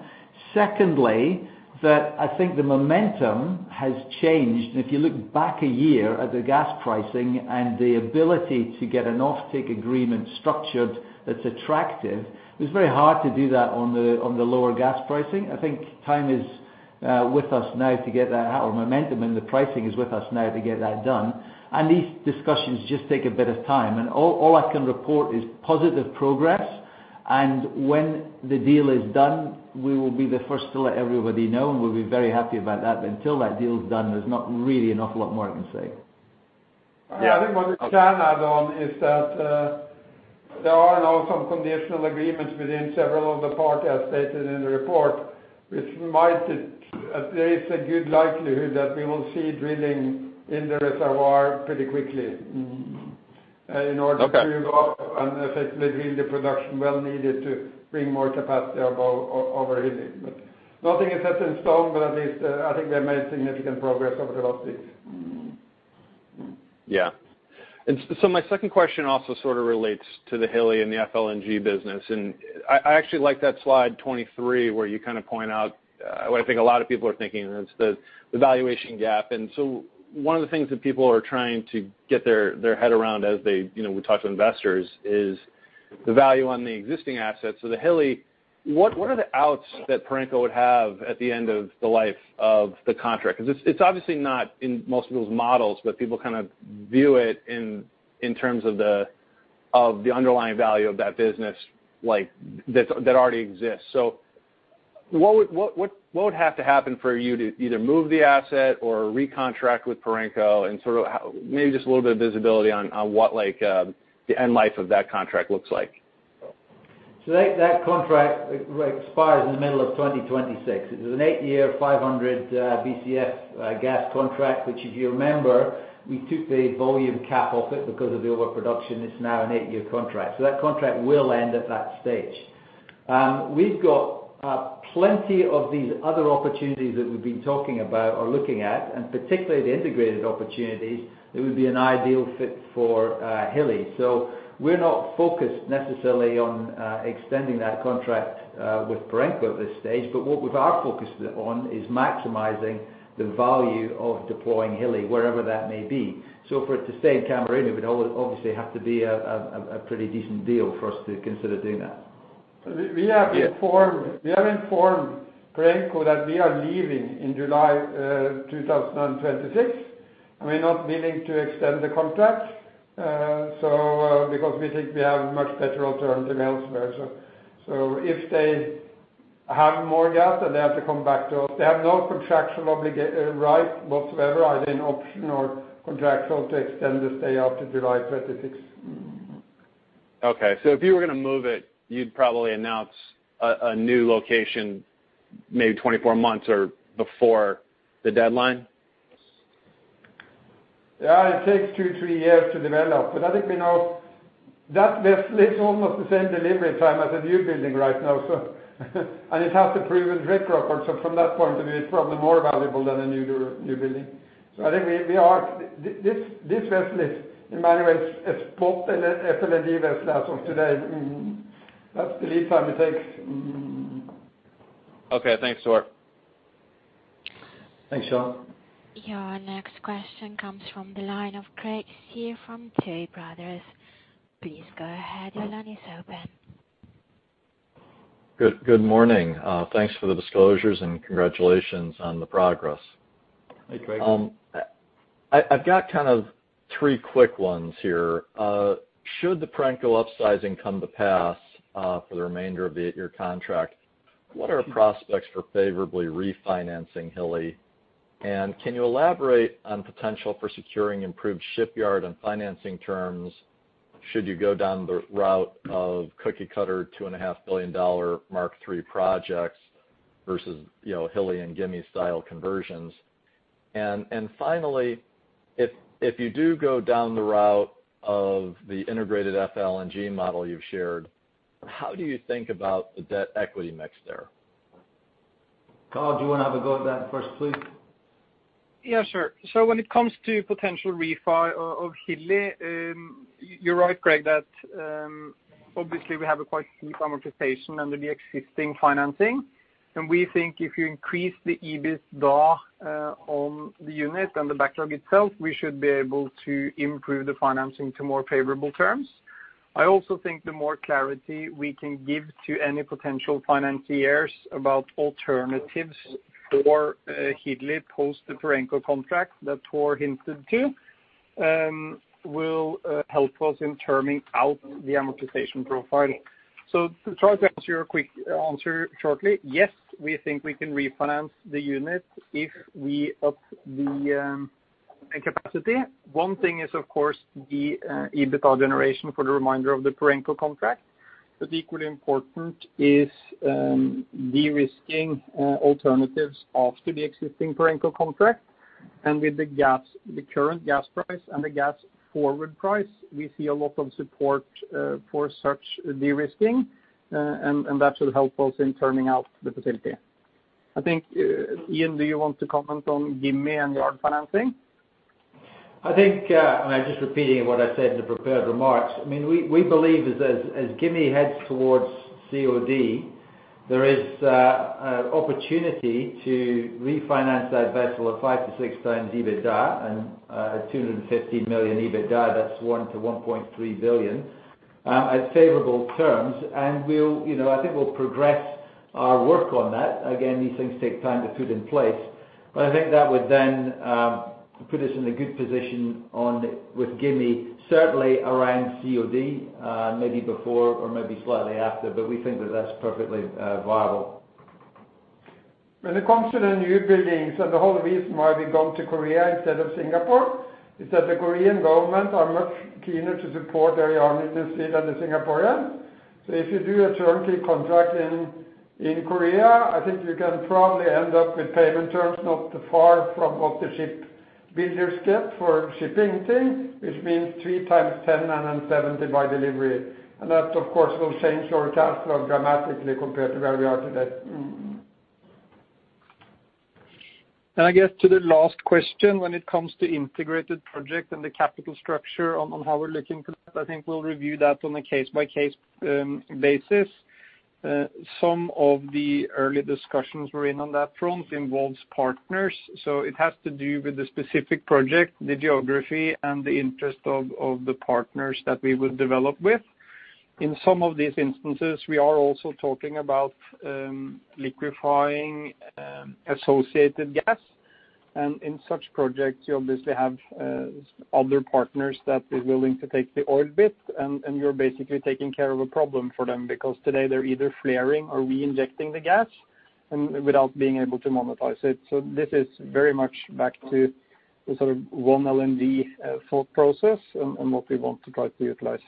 Secondly, that I think the momentum has changed, and if you look back a year at the gas pricing and the ability to get an offtake agreement structured that's attractive, it's very hard to do that on the lower gas pricing. I think time is with us now to get that, or momentum in the pricing is with us now to get that done. These discussions just take a bit of time, and all I can report is positive progress. When the deal is done, we will be the first to let everybody know, and we'll be very happy about that. Until that deal's done, there's not really an awful lot more I can say. Yeah. I think what we can add on is that there are now some conditional agreements within several of the parties as stated in the report, there is a good likelihood that we will see drilling in the reservoir pretty quickly in order to go and effectively build the production well needed to bring more capacity above overheating. Nothing is set in stone, but at least I think we have made significant progress over the last week. Yeah. My second question also sort of relates to the Hilli and the FLNG business, and I actually like that slide 23 where you point out what I think a lot of people are thinking, and it's the valuation gap. One of the things that people are trying to get their head around as we talk to investors is the value on the existing assets. The Hilli, what are the outs that Perenco would have at the end of the life of the contract? Because it's obviously not in most people's models, but people kind of view it in terms of the underlying value of that business that already exists. What would have to happen for you to either move the asset or re-contract with Perenco and sort of maybe just a little bit of visibility on what the end life of that contract looks like? That contract expires in the middle of 2026. It is an eight-year, 500 BCF gas contract, which if you remember, we took the volume cap off it because of the overproduction. It's now an eight-year contract. That contract will end at that stage. We've got plenty of these other opportunities that we've been talking about or looking at, and particularly the integrated opportunities that would be an ideal fit for Hilli. We're not focused necessarily on extending that contract with Perenco at this stage, but what we are focused on is maximizing the value of deploying Hilli wherever that may be. For it to stay in Cameroon, it would obviously have to be a pretty decent deal for us to consider doing that. We have informed Perenco that we are leaving in July 2026, and we're not willing to extend the contract. We think we have much better alternatives elsewhere. If they have more gas, then they have to come back to us. They have no contractual right whatsoever, either in option or contractual, to extend the stay after July 2026. Okay. If you were going to move it, you'd probably announce a new location maybe 24 months or before the deadline? Yeah. It takes two, three years to develop. I think we know that this is almost the same delivery time as a new building right now, so and it has a proven track record. From that point of view, it's probably more valuable than a new building. I think this vessel is, in many ways, as spot FLNG vessel as of today. That's the lead time it takes. Okay. Thanks, Tor. Thanks, Sean. Your next question comes from the line of Craig Shere from Tuohy Brothers. Please go ahead. Good morning. Thanks for the disclosures and congratulations on the progress. Hey, Craig. I've got kind of three quick ones here. Should the Perenco upsizing come to pass for the remainder of the eight-year contract, what are prospects for favorably refinancing Hilli? Can you elaborate on potential for securing improved shipyard and financing terms should you go down the route of cookie cutter $2.5 billion Mark III projects versus Hilli and Gimi style conversions? Finally, if you do go down the route of the integrated FLNG model you've shared, how do you think about the debt equity mix there? Karl, do you want to have a go at that first, please? Yeah, sure. When it comes to potential refi of Hilli, you're right, Craig, that obviously we have a quite steep amortization under the existing financing. We think if you increase the EBITDA on the unit and the backlog itself, we should be able to improve the financing to more favorable terms. I also think the more clarity we can give to any potential financiers about alternatives for Hilli post the Perenco contract that Tor hinted to, will help us in terming out the amortization profile. To try to answer your quick answer shortly, yes, we think we can refinance the unit if we up the capacity. One thing is, of course, the EBITDA generation for the remainder of the Perenco contract. Equally important is, de-risking alternatives after the existing Perenco contract. With the current gas price and the gas forward price, we see a lot of support for such de-risking, and that should help us in terming out the facility. I think, Iain, do you want to comment on Gimi and yard financing? I think, and I'm just repeating what I said in the prepared remarks. We believe as Gimi heads towards COD, there is opportunity to refinance that vessel at 5x-6x EBITDA and at $250 million EBITDA, that's $1 billion-$1.3 billion, at favorable terms. I think we'll progress our work on that. Again, these things take time to put in place. I think that would then put us in a good position with Gimi, certainly around COD, maybe before or maybe slightly after, but we think that that's perfectly viable. When it comes to the new buildings and the whole reason why we gone to Korea instead of Singapore is that the Korean government are much keener to support their yard industry than the Singaporean. If you do a turnkey contract in Korea, I think we can probably end up with payment terms not too far from what the shipbuilders get for shipping things, which means three times 10 and then 70 by delivery. That, of course, will change our cash flow dramatically compared to where we are today. I guess to the last question, when it comes to integrated project and the capital structure on how we're looking for that, I think we'll review that on a case-by-case basis. Some of the early discussions we're in on that front involves partners. It has to do with the specific project, the geography, and the interest of the partners that we would develop with. In some of these instances, we are also talking about liquefying associated gas. In such projects, you obviously have other partners that is willing to take the oil bit, and you're basically taking care of a problem for them, because today they're either flaring or reinjecting the gas without being able to monetize it. This is very much back to the sort of OneLNG thought process and what we want to try to utilize.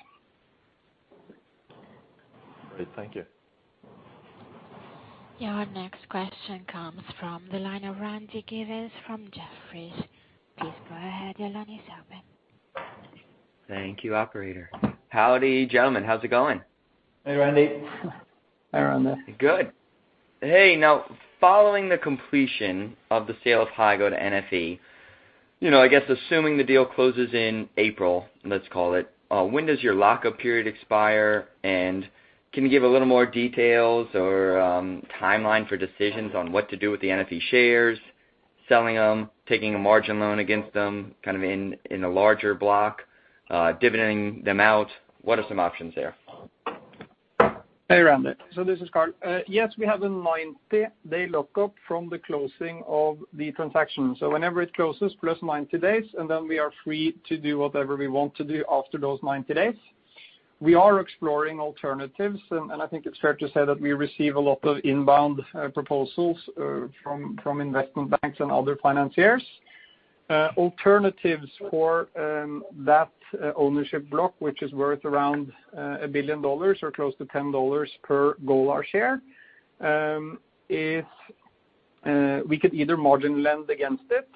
Great. Thank you. Your next question comes from the line of Randy Giveans from Jefferies. Please go ahead. Your line is open. Thank you, operator. Howdy, gentlemen. How's it going? Hey, Randy. Hi, Randy. Good. Hey, now following the completion of the sale of Hygo to NFE, I guess assuming the deal closes in April, let's call it, when does your lockup period expire? Can you give a little more details or timeline for decisions on what to do with the NFE shares, selling them, taking a margin loan against them, kind of in a larger block, dividending them out? What are some options there? Hey, Randy. This is Karl. Yes, we have a 90-day lockup from the closing of the transaction. Whenever it closes plus 90 days, we are free to do whatever we want to do after those 90 days. We are exploring alternatives, I think it's fair to say that we receive a lot of inbound proposals from investment banks and other financiers. Alternatives for that ownership block, which is worth around $1 billion or close to $10 per Golar share, is we could either margin lend against it.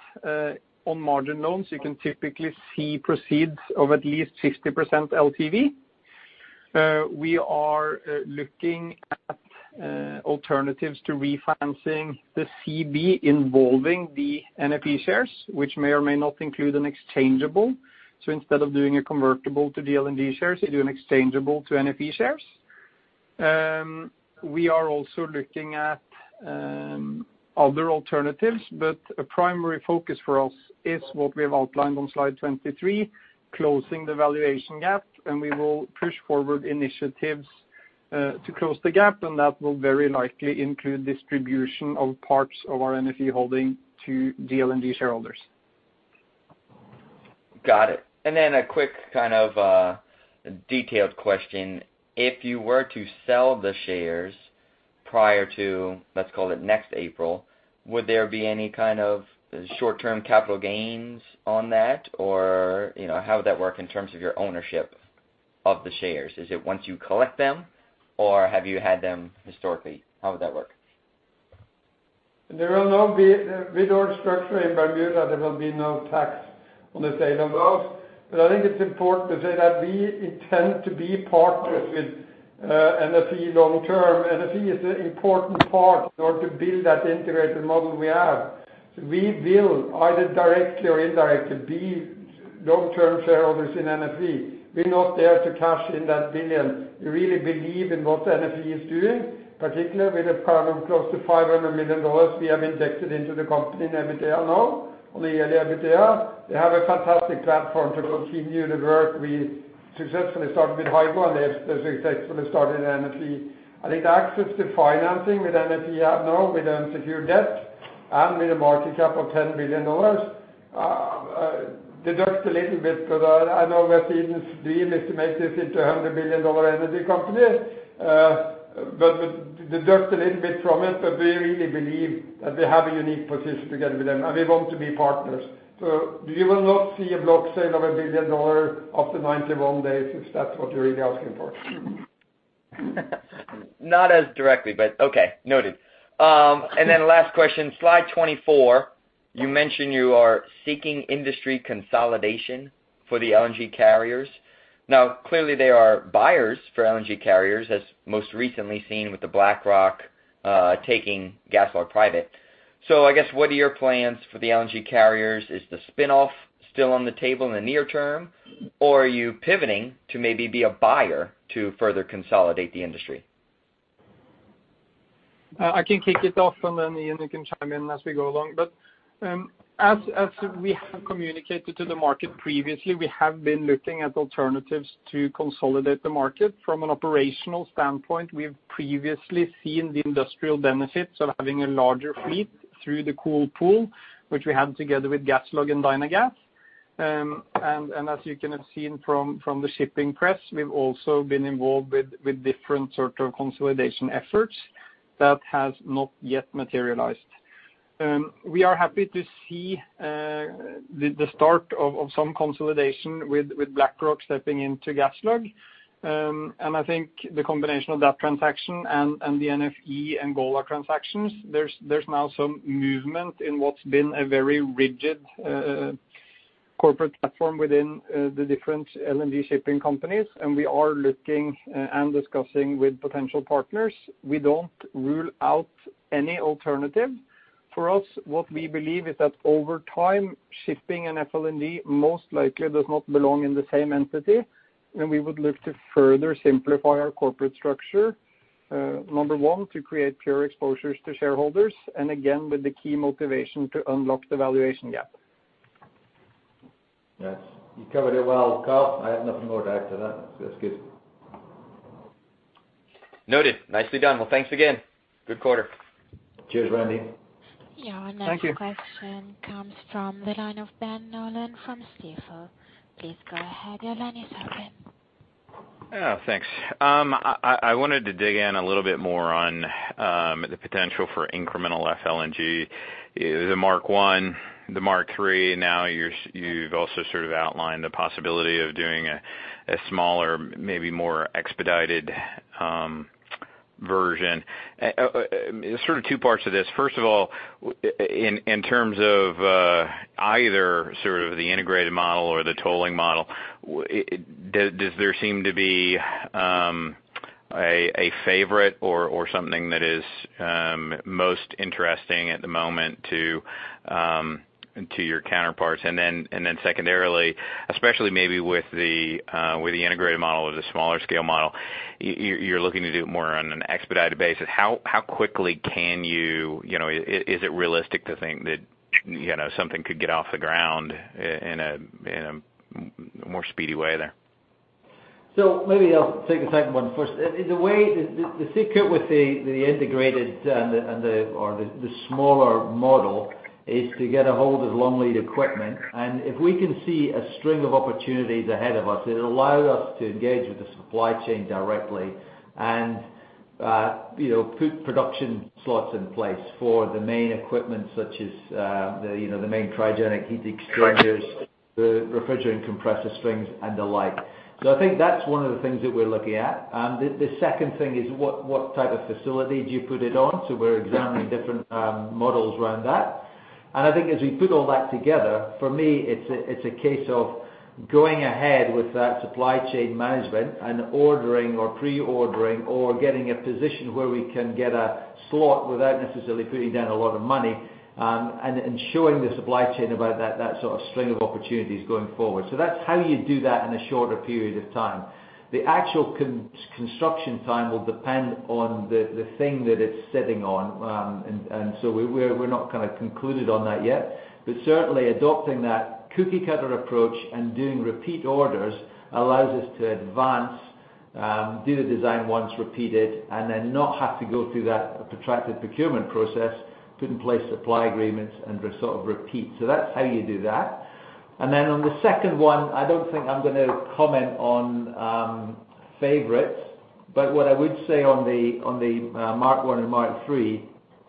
On margin loans, you can typically see proceeds of at least 50% LTV. We are looking at alternatives to refinancing the CB involving the NFE shares, which may or may not include an exchangeable. Instead of doing a convertible to the LNG shares, you do an exchangeable to NFE shares. We are also looking at other alternatives. A primary focus for us is what we have outlined on slide 23, closing the valuation gap. We will push forward initiatives to close the gap. That will very likely include distribution of parts of our NFE holding to the LNG shareholders. Got it. Then a quick kind of detailed question. If you were to sell the shares prior to, let's call it next April, would there be any kind of short-term capital gains on that? How would that work in terms of your ownership of the shares? Is it once you collect them or have you had them historically? How would that work? There will now be with our structure in Bermuda, there will be no tax on the sale of those. I think it's important to say that we intend to be partners with NFE long term. NFE is an important part in order to build that integrated model we have. We will either directly or indirectly be long-term shareholders in NFE. We're not there to cash in that billion. We really believe in what NFE is doing, particularly with the current close to $500 million we have injected into the company in EBITDA now, on the yearly EBITDA. They have a fantastic platform to continue the work we successfully started with Hygo and they have successfully started in NFE. I think the access to financing with NFE now with unsecured debt and with a market cap of $10 billion, deduct a little bit because I know where Steven's dream is to make this into a $100 billion energy company. Deduct a little bit from it, but we really believe that we have a unique position together with them and we want to be partners. You will not see a block sale of $1 billion after 91 days, if that's what you're really asking for. Not as directly, but okay, noted. Last question, slide 24, you mentioned you are seeking industry consolidation for the LNG carriers. Clearly there are buyers for LNG carriers, as most recently seen with the BlackRock taking GasLog private. I guess what are your plans for the LNG carriers? Is the spin-off still on the table in the near term? Are you pivoting to maybe be a buyer to further consolidate the industry? I can kick it off and then Iain can chime in as we go along. As we have communicated to the market previously, we have been looking at alternatives to consolidate the market. From an operational standpoint, we have previously seen the industrial benefits of having a larger fleet through The Cool Pool, which we have together with GasLog and Dynagas. As you can have seen from the shipping press, we've also been involved with different sort of consolidation efforts that has not yet materialized. We are happy to see the start of some consolidation with BlackRock stepping into GasLog. I think the combination of that transaction and the NFE and Golar transactions, there's now some movement in what's been a very rigid corporate platform within the different LNG shipping companies. We are looking and discussing with potential partners. We don't rule out any alternative. For us, what we believe is that over time, shipping and FLNG most likely does not belong in the same entity. We would look to further simplify our corporate structure. Number one, to create pure exposures to shareholders, and again, with the key motivation to unlock the valuation gap. Yes. You covered it well, Karl. I have nothing more to add to that, so that's good. Noted. Nicely done. Well, thanks again. Good quarter. Cheers, Randy. Thank you. Your next question comes from the line of Ben Nolan from Stifel. Please go ahead. Your line is open. Thanks. I wanted to dig in a little bit more on the potential for incremental FLNG. The Mark I, the Mark III. You've also sort of outlined the possibility of doing a smaller, maybe more expedited version. Sort of two parts to this. First of all, in terms of either sort of the integrated model or the tolling model, does there seem to be a favorite or something that is most interesting at the moment to your counterparts? Secondarily, especially maybe with the integrated model or the smaller scale model, you're looking to do it more on an expedited basis. How quickly is it realistic to think that something could get off the ground in a more speedy way there? Maybe I'll take the second one first. The secret with the integrated or the smaller model is to get a hold of long lead equipment. If we can see a string of opportunities ahead of us, it'll allow us to engage with the supply chain directly and put production slots in place for the main equipment such as the main cryogenic heat exchangers, the refrigerant compressor strings, and the like. I think that's one of the things that we're looking at. The second thing is what type of facility do you put it on? We're examining different models around that. I think as we put all that together, for me, it's a case of going ahead with that supply chain management and ordering or pre-ordering or getting a position where we can get a slot without necessarily putting down a lot of money, and ensuring the supply chain about that sort of string of opportunities going forward. That's how you do that in a shorter period of time. The actual construction time will depend on the thing that it's sitting on. We're not kind of concluded on that yet. Certainly adopting that cookie cutter approach and doing repeat orders allows us to advance, do the design once, repeat it, and then not have to go through that protracted procurement process, put in place supply agreements and sort of repeat. That's how you do that. On the second one, I don't think I'm going to comment on favorites. What I would say on the Mark I and Mark III,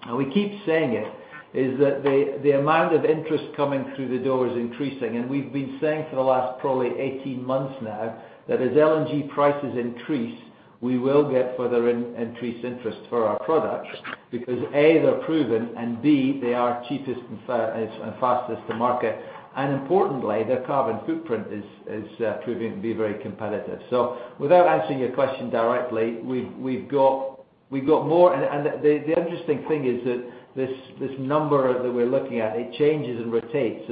and we keep saying it, is that the amount of interest coming through the door is increasing. We've been saying for the last probably 18 months now that as LNG prices increase, we will get further increased interest for our products because, A, they're proven, and B, they are cheapest and fastest to market. Importantly, their carbon footprint is proving to be very competitive. Without answering your question directly, we've got more. The interesting thing is that this number that we're looking at, it changes and rotates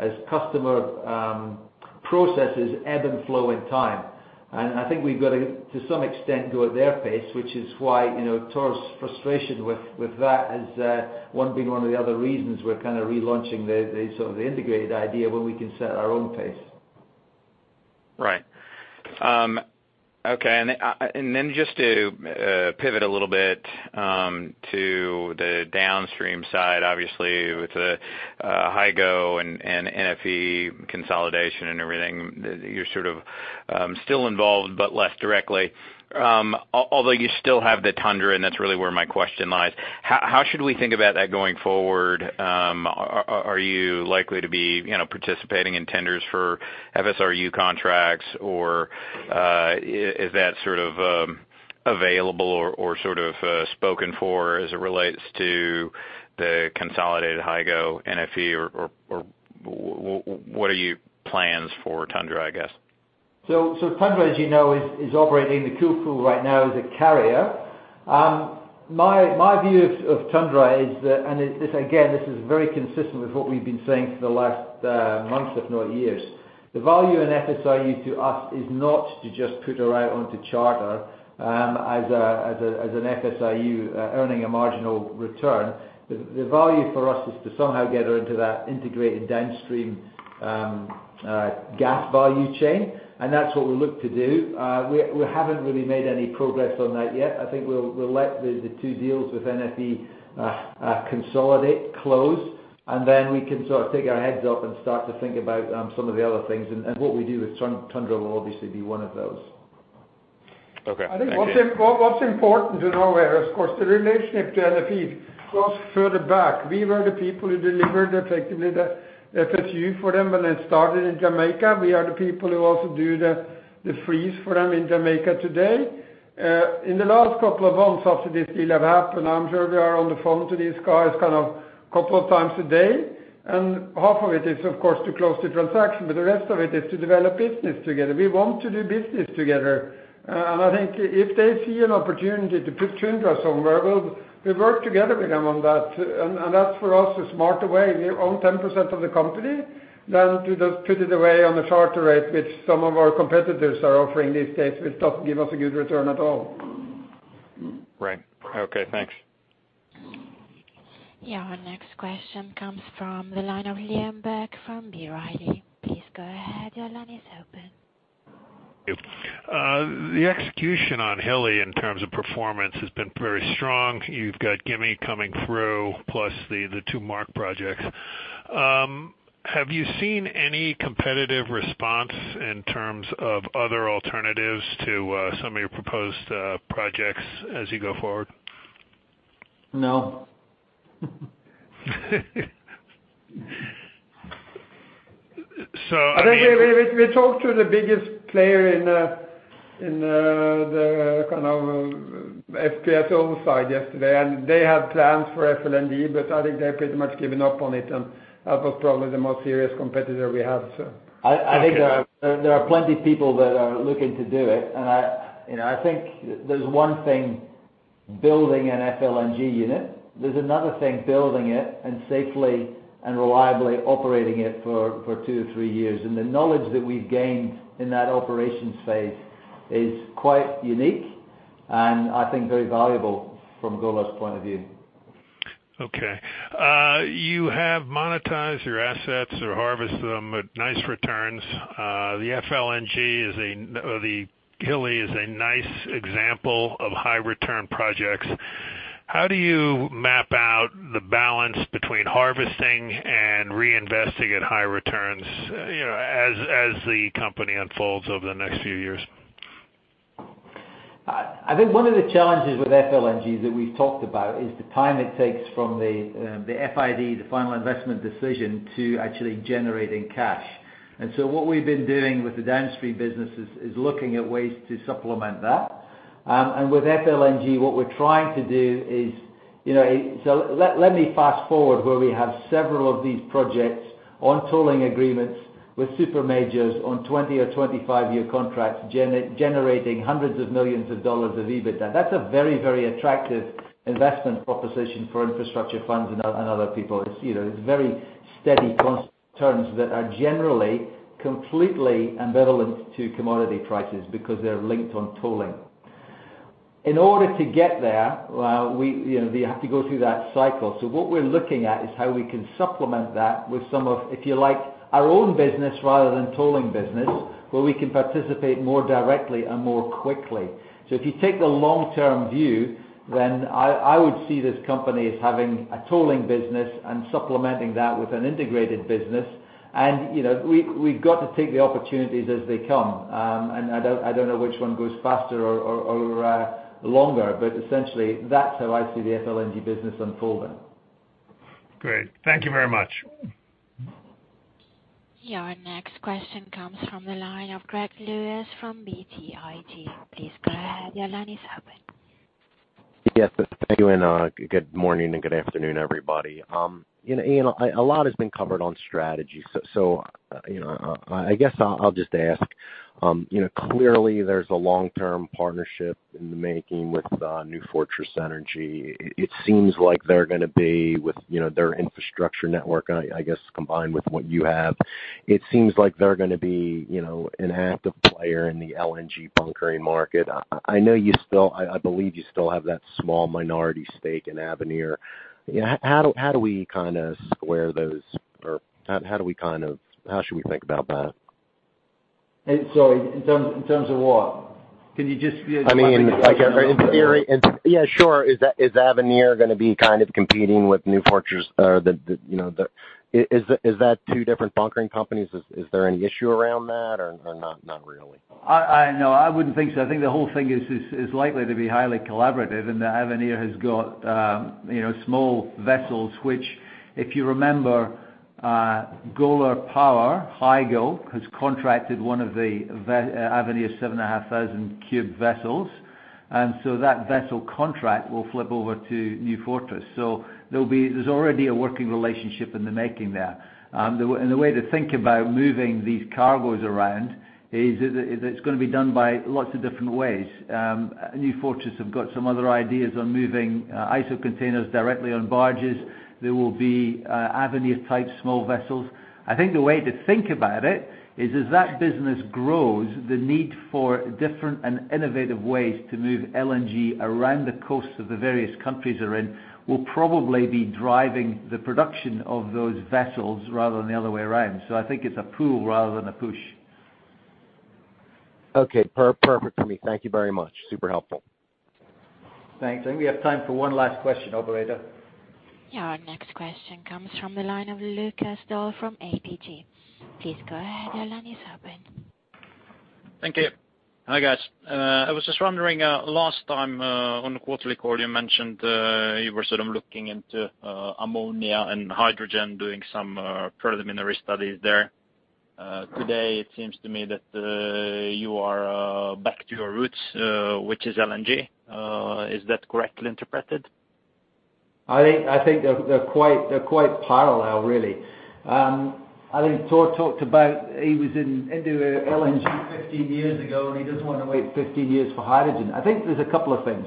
as customer processes ebb and flow in time. I think we've got to some extent go at their pace, which is why Tor's frustration with that as one being one of the other reasons we're kind of relaunching the sort of the integrated idea where we can set our own pace. Right. Okay. Just to pivot a little bit to the downstream side, obviously, with the Hygo and NFE consolidation and everything, you're sort of still involved but less directly. Although you still have the Tundra, and that's really where my question lies. How should we think about that going forward? Are you likely to be participating in tenders for FSRU contracts or is that sort of available or sort of spoken for as it relates to the consolidated Hygo NFE, or what are your plans for Tundra, I guess? Tundra, as you know, is operating the Kuparuk right now as a carrier. My view of Tundra is that, and again, this is very consistent with what we've been saying for the last months if not years. The value in FSRU to us is not to just put her out onto charter as an FSRU earning a marginal return. The value for us is to somehow get her into that integrated downstream gas value chain, and that's what we look to do. We haven't really made any progress on that yet. I think we'll let the two deals with NFE consolidate, close, and then we can sort of take our heads up and start to think about some of the other things. What we do with Tundra will obviously be one of those. Okay. Thank you. I think what's important to know there is, of course, the relationship to NFE goes further back. We were the people who delivered effectively the FSU for them when they started in Jamaica. We are the people who also do the FSRU for them in Jamaica today. In the last couple of months after this deal have happened, I'm sure we are on the phone to these guys kind of couple of times a day, and half of it is, of course, to close the transaction, but the rest of it is to develop business together. We want to do business together. I think if they see an opportunity to put Tundra somewhere, we'll work together with them on that. That's for us the smarter way. We own 10% of the company than to just put it away on a charter rate, which some of our competitors are offering these days, which doesn't give us a good return at all. Right. Okay, thanks. Yeah. Our next question comes from the line of Liam Burke from Berenberg. Please go ahead. Your line is open. Thank you. The execution on Hilli in terms of performance has been very strong. You've got Gimi coming through, plus the two Mark projects. Have you seen any competitive response in terms of other alternatives to some of your proposed projects as you go forward? No. So I think- We talked to the biggest player in the FPSO side yesterday, and they had plans for FLNG, but I think they've pretty much given up on it, and that was probably the most serious competitor we have. I think there are plenty people that are looking to do it. I think there's one thing building an FLNG unit. There's another thing building it and safely and reliably operating it for two to three years. The knowledge that we've gained in that operations phase is quite unique and, I think, very valuable from Golar's point of view. Okay. You have monetized your assets or harvested them at nice returns. The FLNG, the Hilli, is a nice example of high return projects. How do you map out the balance between harvesting and reinvesting at high returns as the company unfolds over the next few years? I think one of the challenges with FLNG that we've talked about is the time it takes from the FID, the final investment decision, to actually generating cash. What we've been doing with the downstream business is looking at ways to supplement that. With FLNG, what we're trying to do, let me fast-forward where we have several of these projects on tolling agreements with super majors on 20 or 25-year contracts generating hundreds of millions of dollars of EBITDA. That's a very, very attractive investment proposition for infrastructure funds and other people. It's very steady terms that are generally completely ambivalent to commodity prices because they're linked on tolling. In order to get there, we have to go through that cycle. What we're looking at is how we can supplement that with some of, if you like, our own business rather than tolling business, where we can participate more directly and more quickly. If you take the long-term view, I would see this company as having a tolling business and supplementing that with an integrated business. We've got to take the opportunities as they come. I don't know which one goes faster or longer, essentially that's how I see the FLNG business unfolding. Great. Thank you very much. Your next question comes from the line of Gregory Lewis from BTIG. Please go ahead. Your line is open. Yes. Thank you, good morning and good afternoon, everybody. A lot has been covered on strategy. I guess I'll just ask. Clearly there's a long-term partnership in the making with New Fortress Energy. It seems like they're going to be with their infrastructure network, I guess, combined with what you have. It seems like they're going to be an active player in the LNG bunkering market. I believe you still have that small minority stake in Avenir. How should we think about that? Sorry, in terms of what? Can you just- Yeah, sure. Is Avenir going to be competing with New Fortress? Is that two different bunkering companies? Is there any issue around that or not really? No, I wouldn't think so. I think the whole thing is likely to be highly collaborative. Avenir has got small vessels, which, if you remember, Golar Power, Hygo, has contracted one of the Avenir seven and a half thousand cube vessels. That vessel contract will flip over to New Fortress. There's already a working relationship in the making there. The way to think about moving these cargoes around is that it's going to be done by lots of different ways. New Fortress have got some other ideas on moving ISO containers directly on barges. There will be Avenir-type small vessels. I think the way to think about it is as that business grows, the need for different and innovative ways to move LNG around the coast of the various countries they're in will probably be driving the production of those vessels rather than the other way around. I think it's a pull rather than a push. Perfect for me. Thank you very much. Super helpful. Thanks. I think we have time for one last question, operator. Yeah. Our next question comes from the line of Lukas Daul from APG. Please go ahead. Your line is open. Thank you. Hi, guys. I was just wondering, last time on the quarterly call, you mentioned you were sort of looking into ammonia and hydrogen, doing some preliminary studies there. Today it seems to me that you are back to your roots, which is LNG. Is that correctly interpreted? I think they're quite parallel, really. I think Tor talked about he was into LNG 15 years ago, and he doesn't want to wait 15 years for hydrogen. I think there's a couple of things.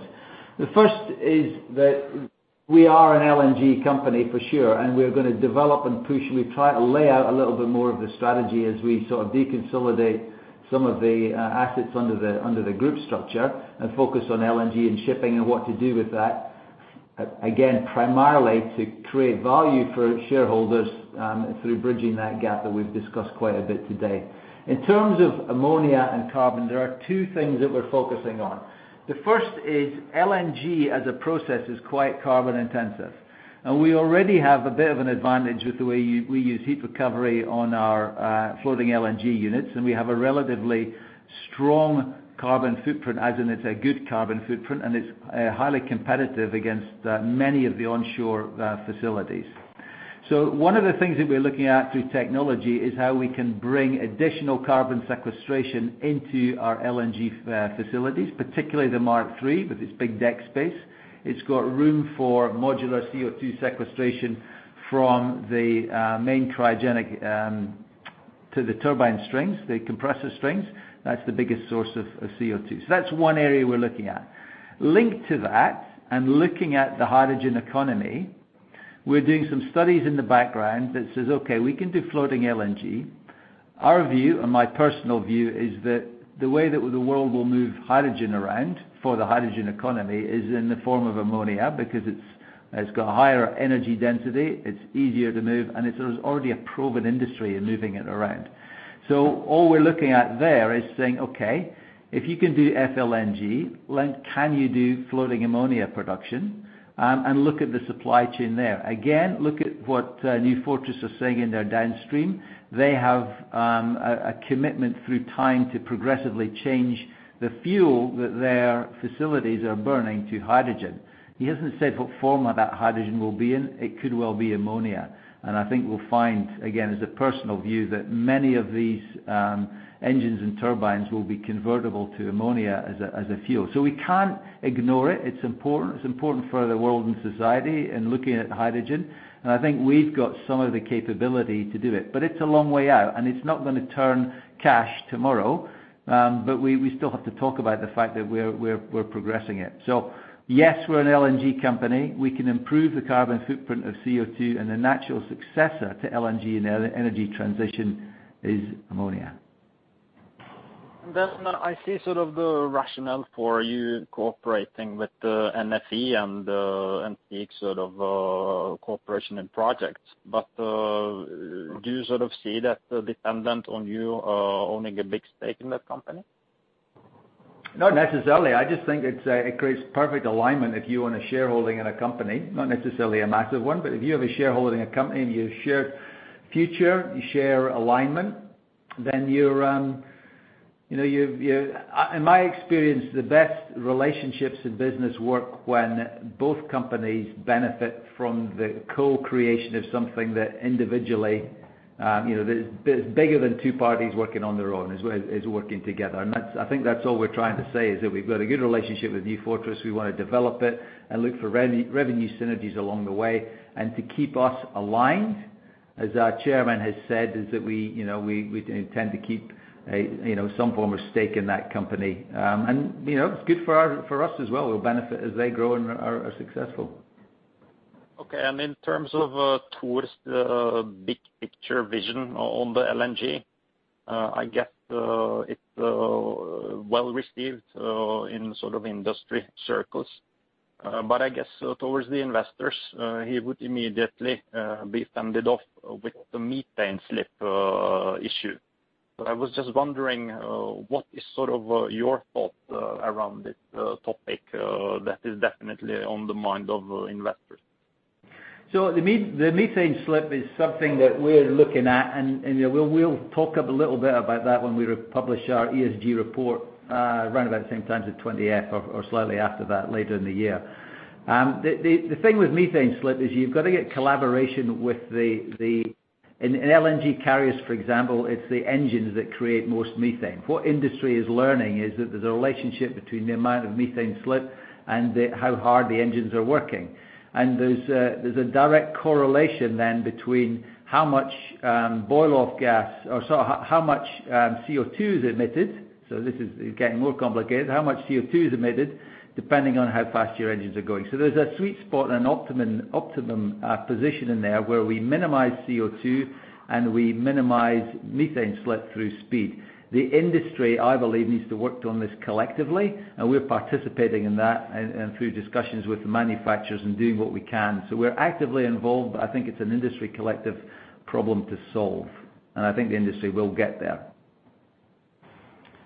The first is that we are an LNG company for sure, and we are going to develop and push. We try to lay out a little bit more of the strategy as we sort of deconsolidate some of the assets under the group structure and focus on LNG and shipping and what to do with that, again, primarily to create value for shareholders through bridging that gap that we've discussed quite a bit today. In terms of ammonia and carbon, there are two things that we're focusing on. The first is LNG as a process is quite carbon intensive. We already have a bit of an advantage with the way we use heat recovery on our floating LNG units, and we have a relatively strong carbon footprint, as in it's a good carbon footprint, and it's highly competitive against many of the onshore facilities. One of the things that we're looking at through technology is how we can bring additional carbon sequestration into our LNG facilities, particularly the Mark III, with its big deck space. It's got room for modular CO2 sequestration from the main cryogenic to the turbine strings, the compressor strings. That's the biggest source of CO2. That's one area we're looking at. Linked to that and looking at the hydrogen economy, we're doing some studies in the background that says, "Okay, we can do floating LNG." Our view and my personal view is that the way that the world will move hydrogen around for the hydrogen economy is in the form of ammonia because it's got a higher energy density, it's easier to move, and there's already a proven industry in moving it around. All we're looking at there is saying, "Okay, if you can do FLNG, can you do floating ammonia production and look at the supply chain there?" Again, look at what New Fortress is saying in their downstream. They have a commitment through time to progressively change the fuel that their facilities are burning to hydrogen. He hasn't said what form that hydrogen will be in. It could well be ammonia, and I think we'll find, again, as a personal view, that many of these engines and turbines will be convertible to ammonia as a fuel. We can't ignore it. It's important. It's important for the world and society in looking at hydrogen, and I think we've got some of the capability to do it. It's a long way out, and it's not going to turn cash tomorrow. We still have to talk about the fact that we're progressing it. Yes, we're an LNG company. We can improve the carbon footprint of CO2, and the natural successor to LNG in the energy transition is ammonia. I see the rationale for you cooperating with NFE and seek cooperation in projects. Do you see that dependent on you owning a big stake in that company? Not necessarily. I just think it creates perfect alignment if you own a shareholding in a company, not necessarily a massive one. If you have a shareholding in a company and you share future, you share alignment, then in my experience, the best relationships in business work when both companies benefit from the co-creation of something that individually is bigger than two parties working on their own. Is working together. I think that's all we're trying to say is that we've got a good relationship with New Fortress. We want to develop it and look for revenue synergies along the way. To keep us aligned, as our chairman has said, is that we intend to keep some form of stake in that company. It's good for us as well. We'll benefit as they grow and are successful. In terms of Tor's big picture vision on the LNG, I guess it's well received in industry circles. I guess towards the investors, he would immediately be fended off with the methane slip issue. I was just wondering what is your thought around this topic that is definitely on the mind of investors? The methane slip is something that we're looking at, and we'll talk up a little bit about that when we publish our ESG report around about the same time as the 20F or slightly after that later in the year. The thing with methane slip is you've got to get collaboration. In LNG carriers, for example, it's the engines that create most methane. What industry is learning is that there's a relationship between the amount of methane slip and how hard the engines are working. There's a direct correlation then between how much boil off gas or sorry, how much CO2 is emitted. This is getting more complicated. How much CO2 is emitted depending on how fast your engines are going. There's a sweet spot and optimum position in there where we minimize CO2, and we minimize methane slip through speed. The industry, I believe, needs to work on this collectively, and we're participating in that and through discussions with the manufacturers and doing what we can. We're actively involved, but I think it's an industry collective problem to solve, and I think the industry will get there.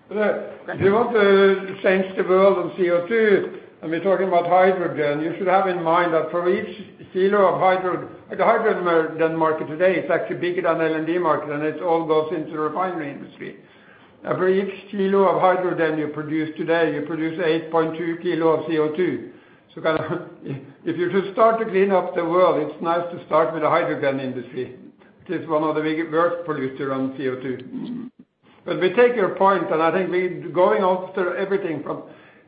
If you want to change the world on CO2, we're talking about hydrogen, you should have in mind that for each kilo of hydrogen, the hydrogen market today is actually bigger than LNG market, and it all goes into the refinery industry. For each kilo of hydrogen you produce today, you produce 8.2 kilo of CO2. If you just start to clean up the world, it's nice to start with the hydrogen industry, which is one of the worst polluter on CO2. We take your point, I think going after everything from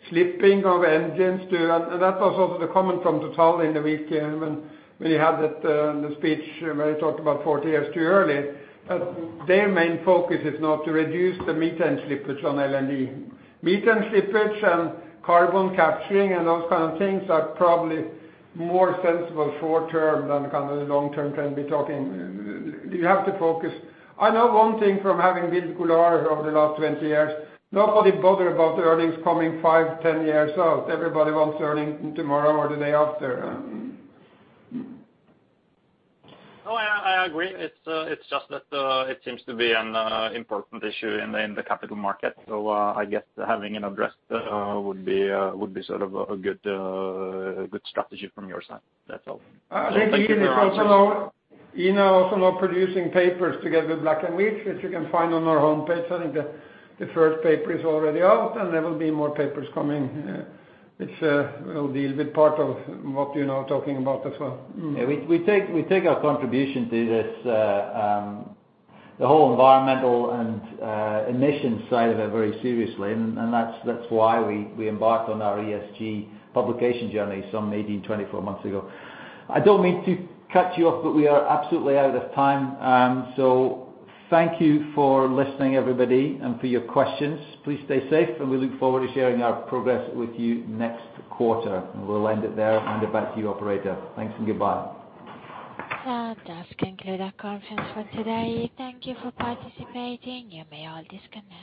slipping of engines, that was also the comment from Total in the weekend when he had the speech where he talked about 40 years too early, that their main focus is now to reduce the methane slippage on LNG. Methane slippage and carbon capturing and those kind of things are probably more sensible short term than long term can be talking. You have to focus. I know one thing from having built Golar over the last 20 years. Nobody bother about the earnings coming five, 10 years out. Everybody wants earnings tomorrow or the day after. No, I agree. It's just that it seems to be an important issue in the capital market. I guess having it addressed would be a good strategy from your side. That's all. Thank you for your answer. Iain is also now producing papers together with Black & Veatch, which you can find on our homepage. I think the first paper is already out, and there will be more papers coming. Which will deal with part of what you're now talking about as well. We take our contribution to this, the whole environmental and emissions side of it very seriously, and that's why we embarked on our ESG publication journey some 18, 24 months ago. I don't mean to cut you off, we are absolutely out of time. Thank you for listening, everybody, and for your questions. Please stay safe, and we look forward to sharing our progress with you next quarter. We'll end it there. Hand it back to you, operator. Thanks and goodbye. That does conclude our conference for today. Thank you for participating. You may all disconnect.